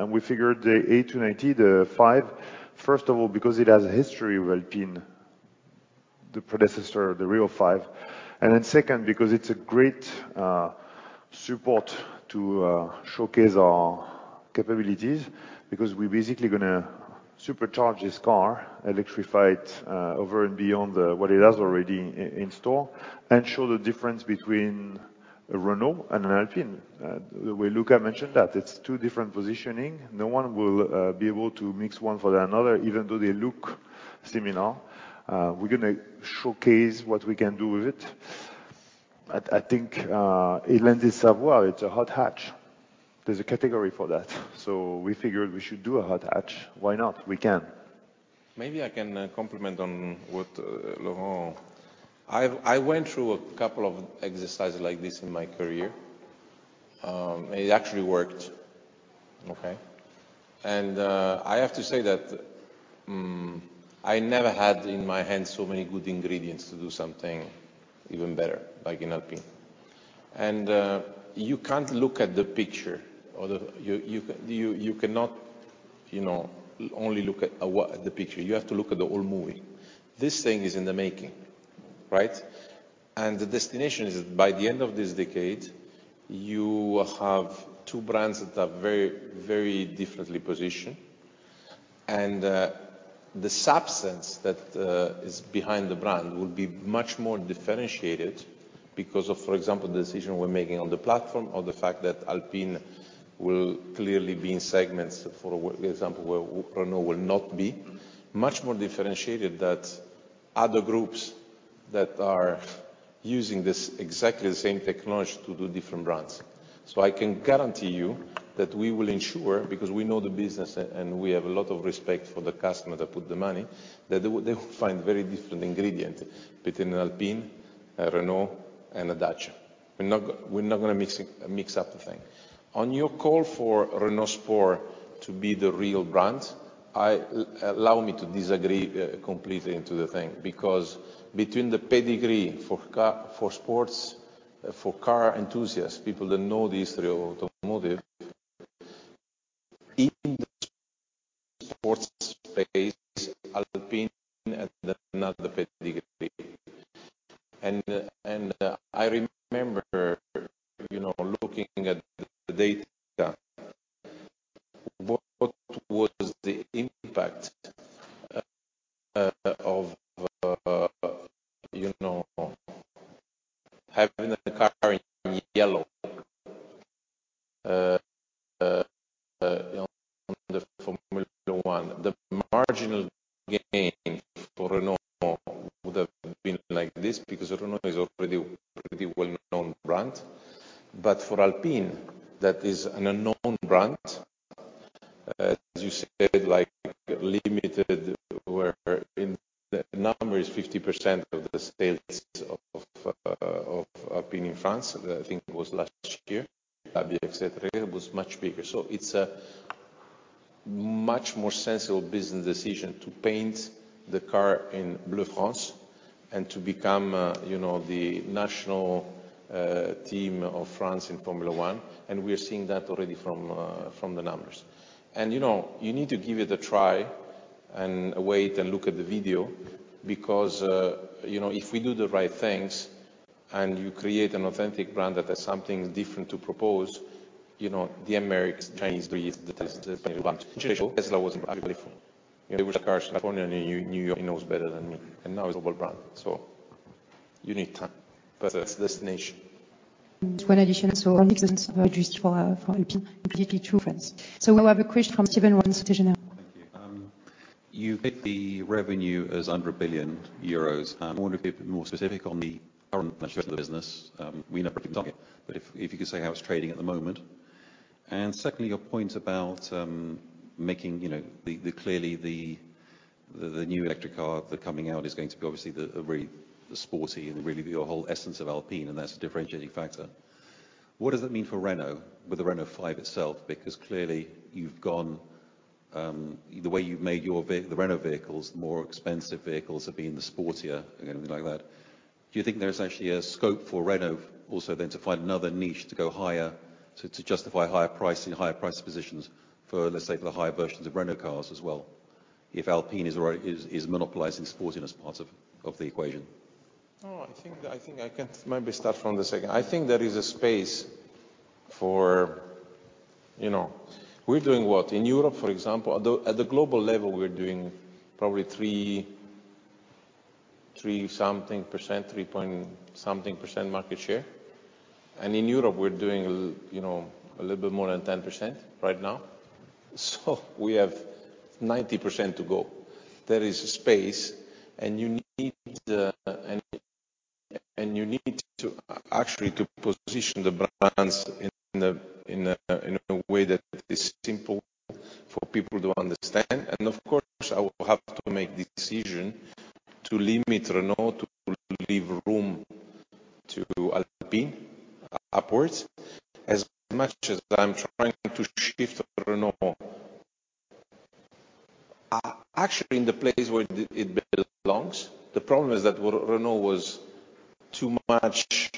We figured the A290, the 5, first of all, because it has a history with Alpine, the predecessor of the real 5, and then second, because it's a great support to showcase our capabilities, because we're basically gonna supercharge this car, electrify it, over and beyond the, what it has already in store, and show the difference between a Renault and an Alpine. The way Luca mentioned that, it's two different positioning. No one will be able to mix one for another, even though they look similar. We're gonna showcase what we can do with it. I think it lends itself well. It's a hot hatch. There's a category for that. We figured we should do a hot hatch. Why not? We can.
Maybe I can complement on what Laurent. I went through a couple of exercises like this in my career. It actually worked, okay? I have to say that I never had in my hand so many good ingredients to do something even better, like in Alpine. You can't look at the picture or you cannot, you know, only look at the picture, you have to look at the whole movie. This thing is in the making, right? The destination is, by the end of this decade, you will have two brands that are very differently positioned. The substance that is behind the brand will be much more differentiated because of, for example, the decision we're making on the platform or the fact that Alpine will clearly be in segments, for example, where Renault will not be. Much more differentiated than other groups that are using this exactly the same technology to do different brands. I can guarantee you that we will ensure, because we know the business and we have a lot of respect for the customer that put the money, that they will find very different ingredient between an Alpine, a Renault, and a Dacia. We're not gonna mix up the thing. On your call for Renault Sport to be the real brand, allow me to disagree completely into the thing, because between the pedigree for sports, for car enthusiasts, people that know the history of automotive, in the sports space, Alpine has another pedigree. I remember, you know, looking at the data, what was the impact of, you know, having a car in yellow on the Formula One? The marginal gain for Renault would have been like this, because Renault is already pretty well-known brand. For Alpine, that is an unknown brand, as you said, like limited, where in the number is 50% of the sales of Alpine in France, I think it was last year, et cetera, it was much bigger. It's a much more sensible business decision to paint the car in Blue France and to become, you know, the national team of France in Formula One, and we are seeing that already from the numbers. You know, you need to give it a try and wait and look at the video because, you know, if we do the right things and you create an authentic brand that has something different to propose, you know, the Americans, Chinese, the Spanish, want. Tesla was actually before. You know, there was a car in California, and New York, he knows better than me, and now it's a global brand. You need time, but that's the destination.
Just one addition, for Alpine, completely true, friends. We have a question from Stephen Reitman, Societe Generale.
Thank you. You picked the revenue as under 1 billion euros. I wonder if you could be more specific on the current business. We know, but if you could say how it's trading at the moment. Secondly, your point about making, you know, the clearly the new electric car, the coming out is going to be obviously the, a very sporty and really your whole essence of Alpine, and that's a differentiating factor. What does that mean for Renault, with the Renault 5 itself? Clearly, you've gone... The way you've made your the Renault vehicles, more expensive vehicles, have been the sportier and everything like that. Do you think there's actually a scope for Renault also then to find another niche to go higher, to justify higher pricing, higher price positions for, let's say, the higher versions of Renault cars as well, if Alpine is already monopolizing sportiness part of the equation?
I think I can maybe start from the second. I think there is a space for, you know, we're doing what? In Europe, for example, at the global level, we're doing probably 3 something %, 3 point something % market share. In Europe, we're doing, you know, a little bit more than 10% right now. We have 90% to go. There is space, and you need to, actually to position the brands in a way that is simple for people to understand. Of course, I will have to make decision to limit Renault, to leave room to Alpine upwards, as much as I'm trying to shift Renault, actually in the place where it belongs. The problem is that Renault was too much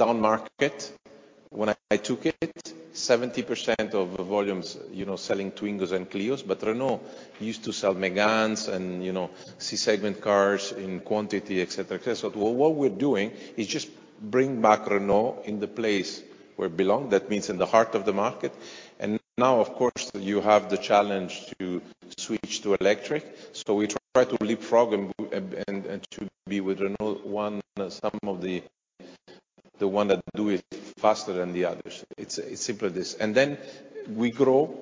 downmarket when I took it. 70% of the volumes, you know, selling Twingos and Clios, but Renault used to sell Méganes and, you know, C-segment cars in quantity, et cetera, et cetera. What we're doing is just bring back Renault in the place where it belong. That means in the heart of the market, and now, of course, you have the challenge to switch to electric, so we try to leapfrog and to be with Renault one, some of the one that do it faster than the others. It's, it's simply this. Then we grow,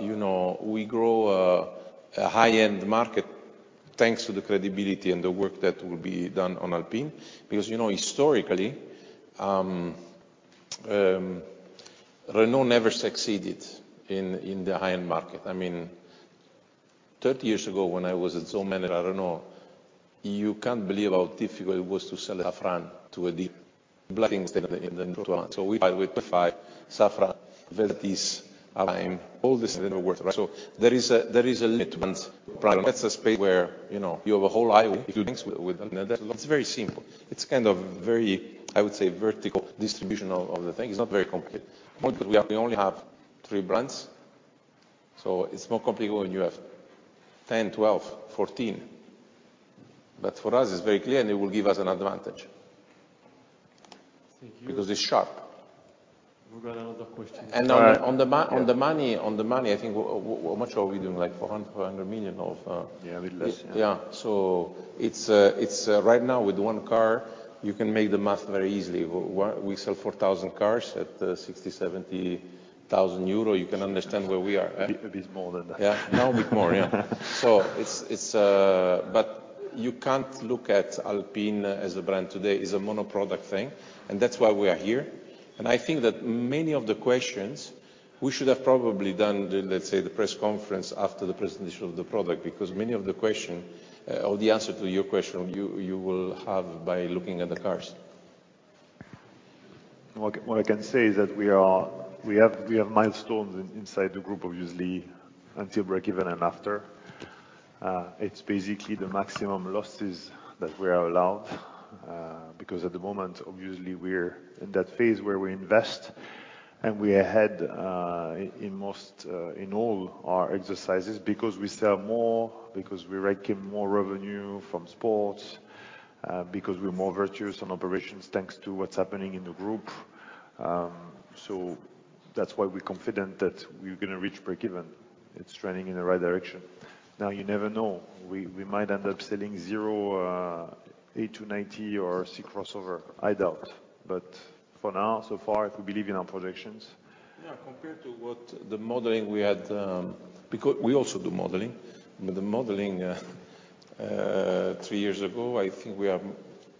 you know, we grow a high-end market, thanks to the credibility and the work that will be done on Alpine. Because, you know, historically, Renault never succeeded in the high-end market. I mean, 30 years ago, when I was at ZOE manager at Renault, you can't believe how difficult it was to sell a Safrane to a dealer. We, with Safrane, Vel Satis, Avantime, all this work, right? There is a limit. That's a space where, you know, you have a whole highway, a few things with them. It's very simple. It's kind of very, I would say, vertical distribution of the thing. It's not very complicated. We only have three brands, so it's more complicated when you have 10, 12, 14. For us, it's very clear, and it will give us an advantage-
Thank you.
Because it's sharp.
We've got another question.
On the money, I think, how much are we doing? Like 400 million?
Yeah, a little less.
It's right now, with one car, you can make the math very easily. We sell 4,000 cars at 60,000-70,000 euro. You can understand where we are at.
A bit more than that.
Now a bit more, yeah. It's, it's. You can't look at Alpine as a brand today. It's a mono-product thing, and that's why we are here. I think that many of the question, we should have probably done, the, let's say, the press conference after the presentation of the product, because many of the question or the answer to your question, you will have by looking at the cars.
What I can say is that we have milestones inside the group, obviously, until breakeven and after. It's basically the maximum losses that we are allowed, because at the moment, obviously, we're in that phase where we invest, and we are ahead in most, in all our exercises, because we sell more, because we reckon more revenue from sports, because we're more virtuous on operations, thanks to what's happening in the group. That's why we're confident that we're going to reach breakeven. It's trending in the right direction. You never know. We might end up selling 0 A290 or C-crossover. I doubt, for now, so far, we believe in our projections.
Compared to what the modeling we had, because we also do modeling. The modeling, three years ago, I think we are,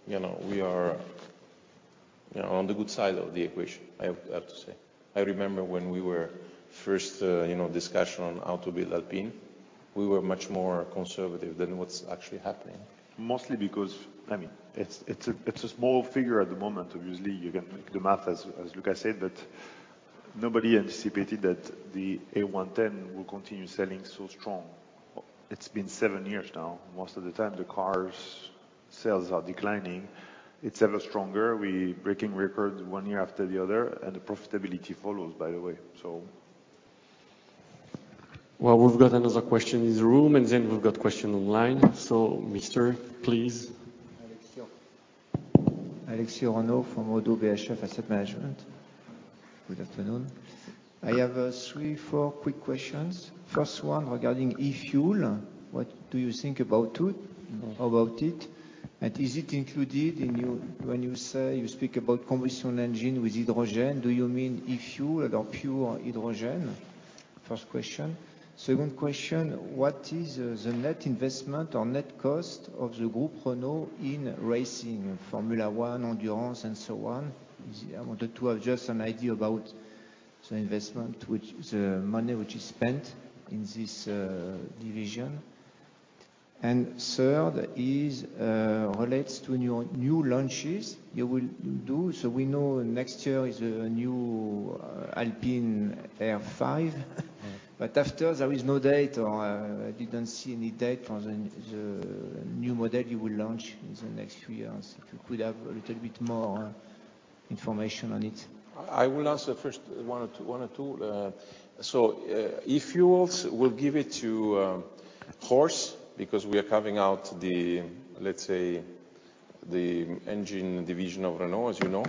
you know, we are, you know, on the good side of the equation, I have to say. I remember when we were first, you know, discussion on how to build Alpine, we were much more conservative than what's actually happening.
Mostly because, I mean, it's a small figure at the moment. Obviously, you can make the math, as Luca said, nobody anticipated that the A110 will continue selling so strong. It's been seven years now. Most of the time, the cars' sales are declining. It's ever stronger. We breaking records one year after the other, and the profitability follows, by the way.
We've got another question in this room, and then we've got question online. Mr., please.
Alexis Renault from ODDO BHF Asset Management. Good afternoon. I have three, four quick questions. First one, regarding e-fuel. What do you think about it? Is it included in your... When you say, you speak about combustion engine with hydrogen, do you mean e-fuel or pure hydrogen? First question. Second question: What is the net investment or net cost of the group Renault in racing, Formula One, Endurance, and so on? I wanted to have just an idea about the investment, which, the money which is spent in this division. Third is relates to new launches you will do. We know next year is a new Alpine A290, but after, there is no date, or I didn't see any date for the new model you will launch in the next few years. If you could have a little bit more information on it.
I will answer first one or two. e-fuels, we'll give it to HORSE, because we are carving out the, let's say, the engine division of Renault, as you know.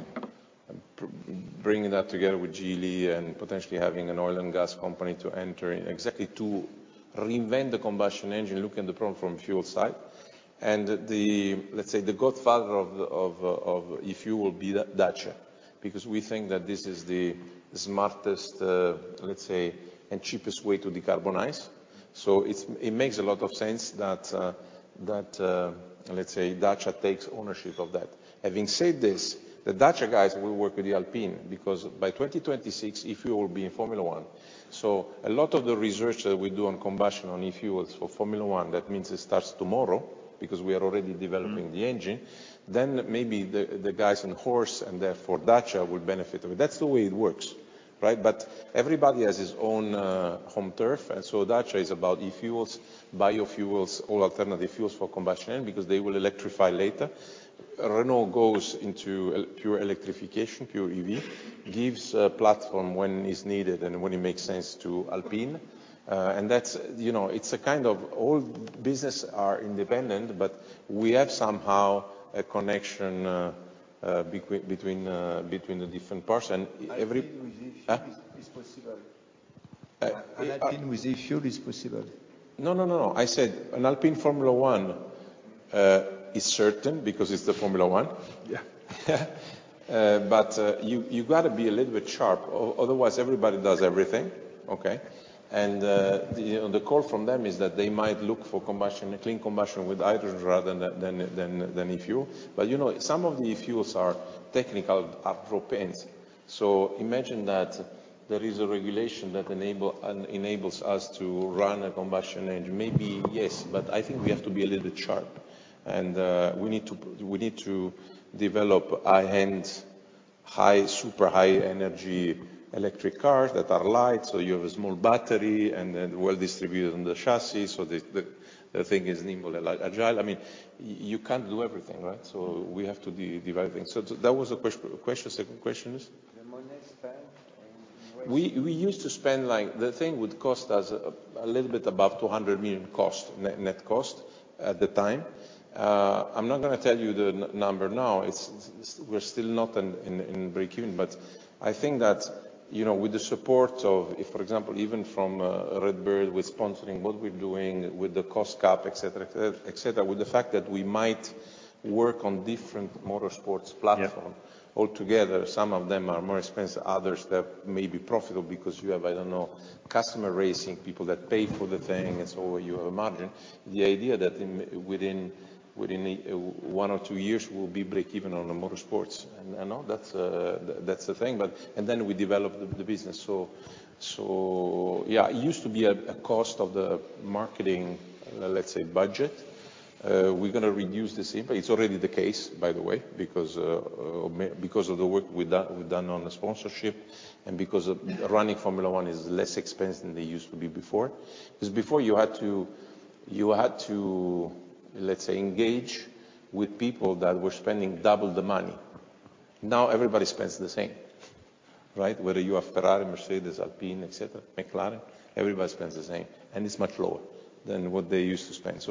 bringing that together with Geely and potentially having an oil and gas company to enter in, exactly to reinvent the combustion engine, look at the problem from fuel side. the, let's say, the godfather of e-fuel will be Dacia, because we think that this is the smartest, let's say, and cheapest way to decarbonize. It makes a lot of sense that, let's say, Dacia takes ownership of that. Having said this, the Dacia guys will work with the Alpine, because by 2026, e-fuel will be in Formula One. A lot of the research that we do on combustion on e-fuels for Formula One, that means it starts tomorrow, because we are already developing the engine. Maybe the guys on HORSE, and therefore Dacia, will benefit from it. That's the way it works, right? Everybody has his own home turf, and Dacia is about e-fuels, biofuels, all alternative fuels for combustion engine, because they will electrify later. Renault goes into pure electrification, pure EV, gives a platform when it's needed and when it makes sense to Alpine. And that's, you know, it's a kind of all business are independent, but we have somehow a connection between the different parts.
Alpine with e-fuel is possible.
Uh-
Alpine with e-fuel is possible?
No, no, no. I said an Alpine Formula One is certain because it's the Formula One.
Yeah.
You, you've got to be a little bit sharp, otherwise, everybody does everything, okay? You know, the call from them is that they might look for combustion, a clean combustion with either rather than e-fuel. You know, some of the e-fuels are technical, are propanes. Imagine that there is a regulation that enables us to run a combustion engine. Maybe, yes, I think we have to be a little bit sharp, we need to develop high-end, high, super high energy electric cars that are light, so you have a small battery, and then well distributed on the chassis, so the thing is nimble and agile. I mean, you can't do everything, right? We have to develop things. That was the question. Second question is?
The money spent and where-.
We used to spend, like, the thing would cost us a little bit above 200 million cost, net cost at the time. I'm not gonna tell you the number now, it's... We're still not in breakeven, but I think that, you know, with the support of, if, for example, even from Red Bull, with sponsoring, what we're doing with the cost cap, et cetera, et cetera, with the fact that we might work on different motorsports.
Yeah
altogether, some of them are more expensive, others they're maybe profitable because you have, I don't know, customer racing, people that pay for the thing, and so you have a margin. The idea that in, within one or two years, we'll be breakeven on the motorsports, and that's the thing. We develop the business. Yeah, it used to be a cost of the marketing, let's say, budget. We're gonna reduce this impact. It's already the case, by the way, because of the work we've done on the sponsorship, and because of running Formula One is less expensive than they used to be before. Cause before you had to, let's say, engage with people that were spending double the money. Now everybody spends the same, right? Whether you have Ferrari, Mercedes, Alpine, et cetera, McLaren, everybody spends the same. It's much lower than what they used to spend.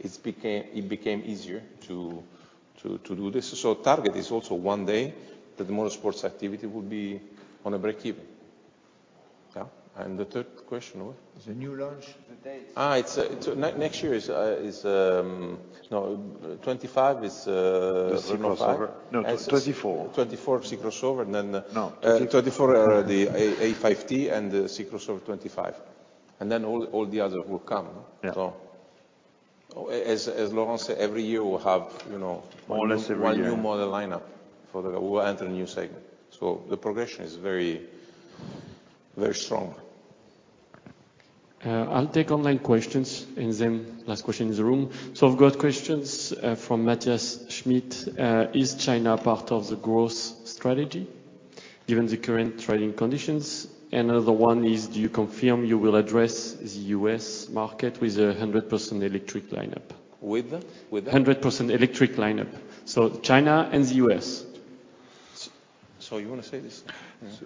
It became easier to do this. Target is also one day that the motorsports activity will be on a breakeven. Yeah. The third question was?
The new launch, the dates.
It's next year is. No, 2025 is Crossover.
No, it's 2024.
2024 Crossover.
No.
2024, the A290 and the crossover 2025. All the others will come.
Yeah.
As Laurent say, every year we'll have, you know.
More or less every year.
one new model lineup for the. We will enter a new segment. The progression is very, very strong.
I'll take online questions, and then last question in the room. I've got questions from Matthias Schmidt: Is China part of the growth strategy, given the current trading conditions? Another one is: Do you confirm you will address the U.S. market with a 100% electric lineup?
With the?
100% electric lineup. China and the US.
You want to say this?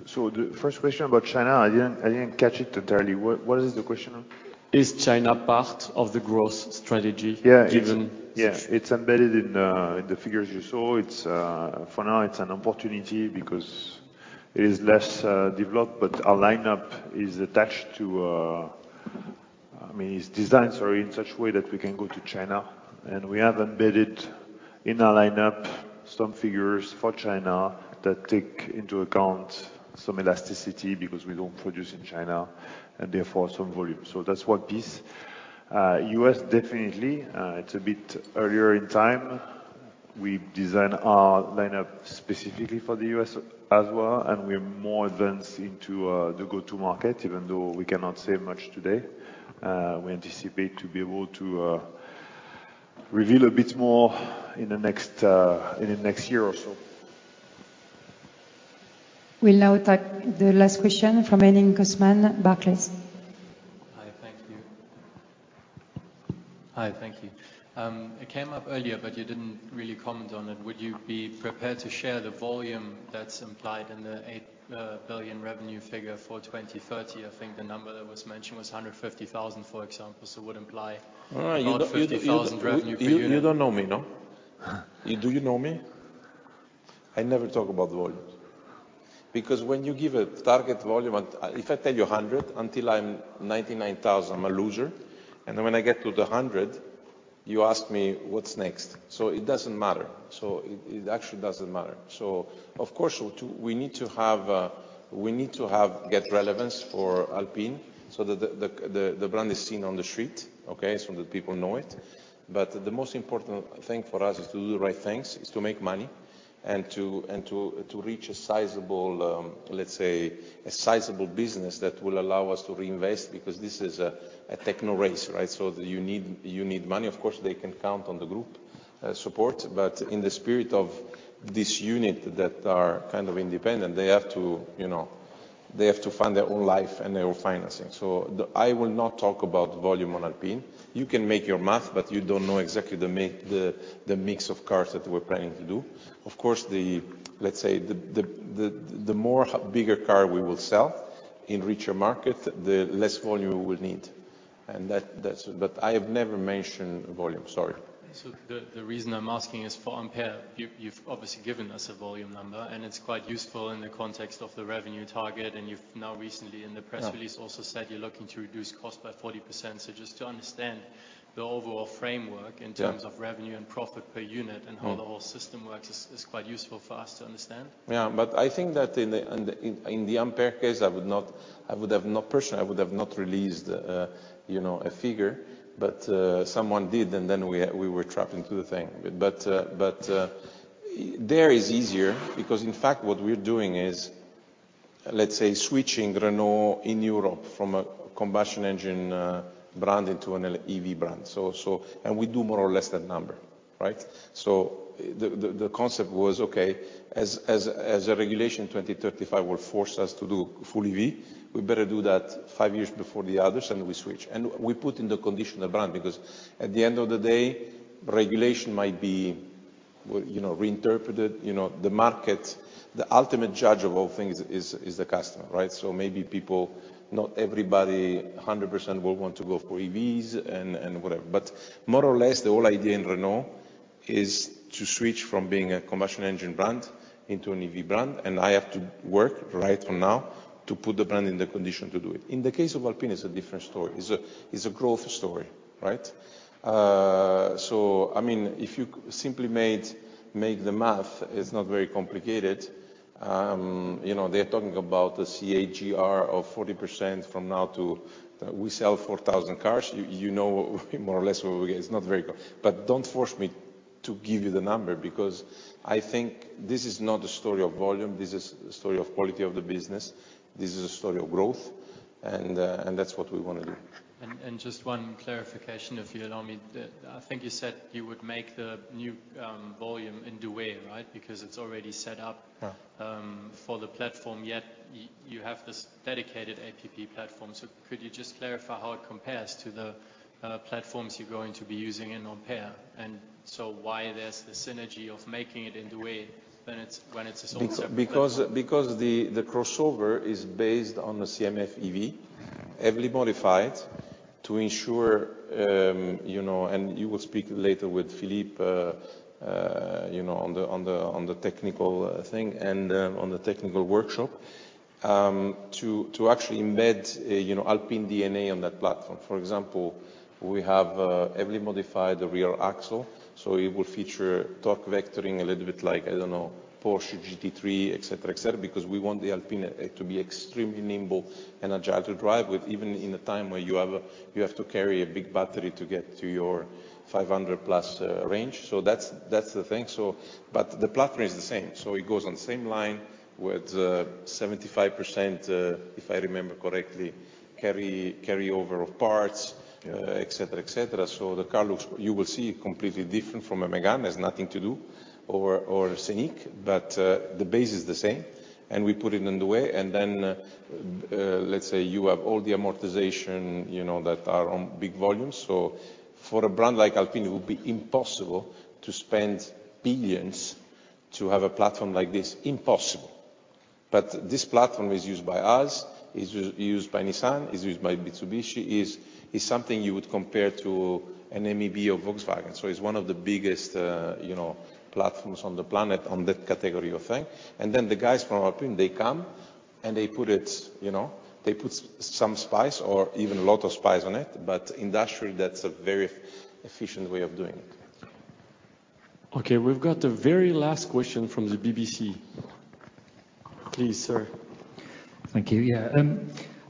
The first question about China, I didn't catch it entirely. What is the question?
Is China part of the growth strategy?
Yeah
-given-
Yeah. It's embedded in the figures you saw. For now, it's an opportunity because it is less developed, but our lineup is attached to, I mean, it's designed, sorry, in such a way that we can go to China. We have embedded in our lineup some figures for China that take into account some elasticity, because we don't produce in China, and therefore some volume. That's one piece. US, definitely, it's a bit earlier in time. We design our lineup specifically for the US as well, and we're more advanced into the go-to market, even though we cannot say much today. We anticipate to be able to reveal a bit more in the next in the next year or so.
We'll now take the last question from Henning Cosman, Barclays.
Hi, thank you. It came up earlier, but you didn't really comment on it. Would you be prepared to share the volume that's implied in the 8 billion revenue figure for 2030? I think the number that was mentioned was 150,000, for example, so would imply.
No, you.
50,000 revenue per unit.
You don't know me, no? Do you know me? I never talk about volumes. When you give a target volume, and if I tell you 100, until I'm 99,000, I'm a loser, and then when I get to 100, you ask me, "What's next?" It doesn't matter. It actually doesn't matter. Of course, we need to have, get relevance for Alpine so that the brand is seen on the street, okay? That people know it. The most important thing for us is to do the right things, is to make money, and to reach a sizable, let's say, a sizable business that will allow us to reinvest, because this is a techno race, right? You need money. Of course, they can count on the group, support, but in the spirit of this unit that are kind of independent, they have to, you know, they have to find their own life and their own financing. I will not talk about volume on Alpine. You can make your math, but you don't know exactly the mix of cars that we're planning to do. Of course, the, let's say, the more bigger car we will sell in richer market, the less volume we will need. That's, but I have never mentioned volume. Sorry.
The reason I'm asking is for Ampere. You've obviously given us a volume number, and it's quite useful in the context of the revenue target, and you've now recently in the press release.
Yeah
also said you're looking to reduce cost by 40%. just to understand the overall framework.
Yeah
in terms of revenue and profit per unit.
Mm.
How the whole system works is quite useful for us to understand.
Yeah, I think that in the Ampere case, I would have not personally, I would have not released, you know, a figure, but someone did, and then we were trapped into the thing. there is easier because, in fact, what we're doing is, let's say, switching Renault in Europe from a combustion engine brand into an EV brand. and we do more or less that number, right? the concept was, okay, as a regulation 2035 will force us to do full EV, we better do that five years before the others, and we switch. we put in the conditional brand, because at the end of the day, regulation might be, well, you know, reinterpreted. You know, the market, the ultimate judge of all things is the customer, right? Maybe people, not everybody, 100% will want to go for EVs and whatever. More or less, the whole idea in Renault is to switch from being a combustion engine brand into an EV brand, and I have to work right from now to put the brand in the condition to do it. In the case of Alpine, it's a different story. It's a growth story, right? I mean, if you simply make the math, it's not very complicated. You know, they're talking about the CAGR of 40% from now to... We sell 4,000 cars. You know, more or less, where we are. It's not very good. Don't force me to give you the number, because I think this is not a story of volume. This is a story of quality of the business. This is a story of growth, and that's what we wanna do.
Just one clarification, if you allow me. I think you said you would make the new volume in Douai, right? Because it's already set up...
Yeah
for the platform, yet you have this dedicated APP platform. Could you just clarify how it compares to the platforms you're going to be using in Ampere, and so why there's the synergy of making it in Douai when it's its own separate platform?
The crossover is based on the CMF-EV, heavily modified to ensure, you know, and you will speak later with Philippe, you know, on the technical thing and on the technical workshop. To actually embed, you know, Alpine DNA on that platform. For example, we have heavily modified the rear axle, so it will feature torque vectoring a little bit like, I don't know, Porsche GT3, et cetera, et cetera, because we want the Alpine to be extremely nimble and agile to drive with, even in a time where you have to carry a big battery to get to your 500-plus range. That's the thing, the platform is the same. It goes on the same line with, 75%, if I remember correctly, carryover of parts, et cetera, et cetera. The car looks, you will see, completely different from a Mégane, has nothing to do, or Scénic, but the base is the same, and we put it in the way. Then, let's say you have all the amortization, you know, that are on big volumes. For a brand like Alpine, it would be impossible to spend billions to have a platform like this. Impossible. This platform is used by us, is used by Nissan, is used by Mitsubishi, is something you would compare to an MEB of Volkswagen. It's one of the biggest, you know, platforms on the planet on that category of thing. The guys from Alpine, they come, and they put it, you know, they put some spice or even a lot of spice on it, but industrially, that's a very efficient way of doing it.
We've got the very last question from the BBC. Please, sir.
Thank you. Yeah,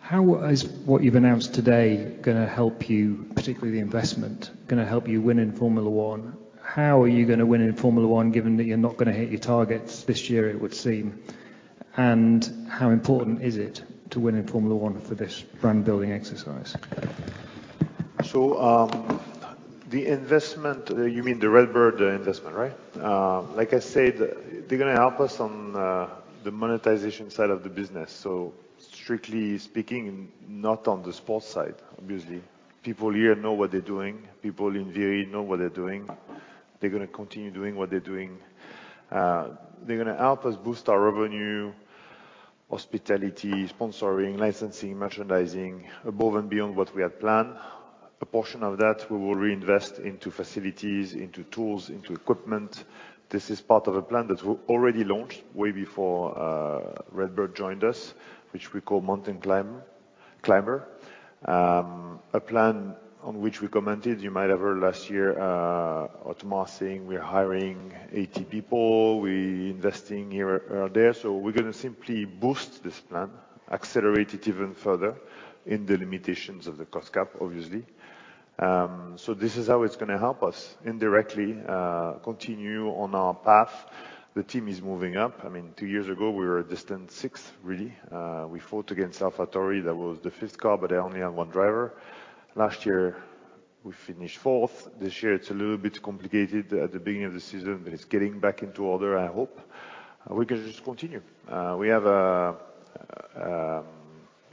how is what you've announced today gonna help you, particularly the investment, gonna help you win in Formula One? How are you gonna win in Formula One, given that you're not gonna hit your targets this year, it would seem? How important is it to win in Formula One for this brand-building exercise?
The investment, you mean the RedBird investment, right? Like I said, they're going to help us on the monetization side of the business, strictly speaking, not on the sports side, obviously. People here know what they're doing. People in Viry know what they're doing. They're going to continue doing what they're doing. They're going to help us boost our revenue, hospitality, sponsoring, licensing, merchandising, above and beyond what we had planned. A portion of that we will reinvest into facilities, into tools, into equipment. This is part of a plan that we already launched way before RedBird joined us, which we call Mountain Climber. A plan on which we commented, you might have heard last year, Otmar saying we're hiring 80 people. We're investing here, there. We're gonna simply boost this plan, accelerate it even further in the limitations of the cost cap, obviously. This is how it's gonna help us, indirectly, continue on our path. The team is moving up. I mean, two years ago, we were a distant sixth, really. We fought against AlphaTauri. That was the fifth car, but they only have one driver. Last year, we finished fourth. This year, it's a little bit complicated at the beginning of the season, but it's getting back into order, I hope. We're gonna just continue. We have a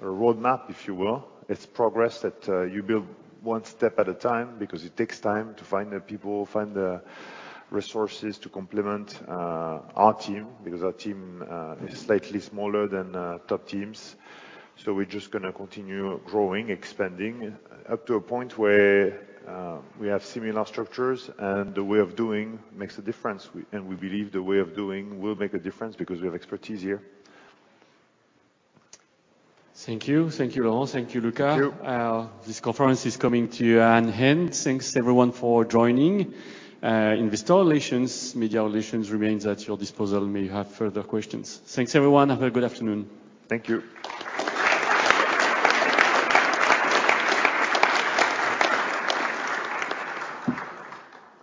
roadmap, if you will. It's progress that you build one step at a time because it takes time to find the people, find the resources to complement our team, because our team is slightly smaller than top teams. We're just gonna continue growing, expanding, up to a point where we have similar structures, and the way of doing makes a difference. We believe the way of doing will make a difference because we have expertise here.
Thank you. Thank you, Laurent. Thank you, Luca.
Thank you.
This conference is coming to an end. Thanks, everyone, for joining. Investor Relations, Media Relations remains at your disposal may you have further questions. Thanks, everyone. Have a good afternoon.
Thank you.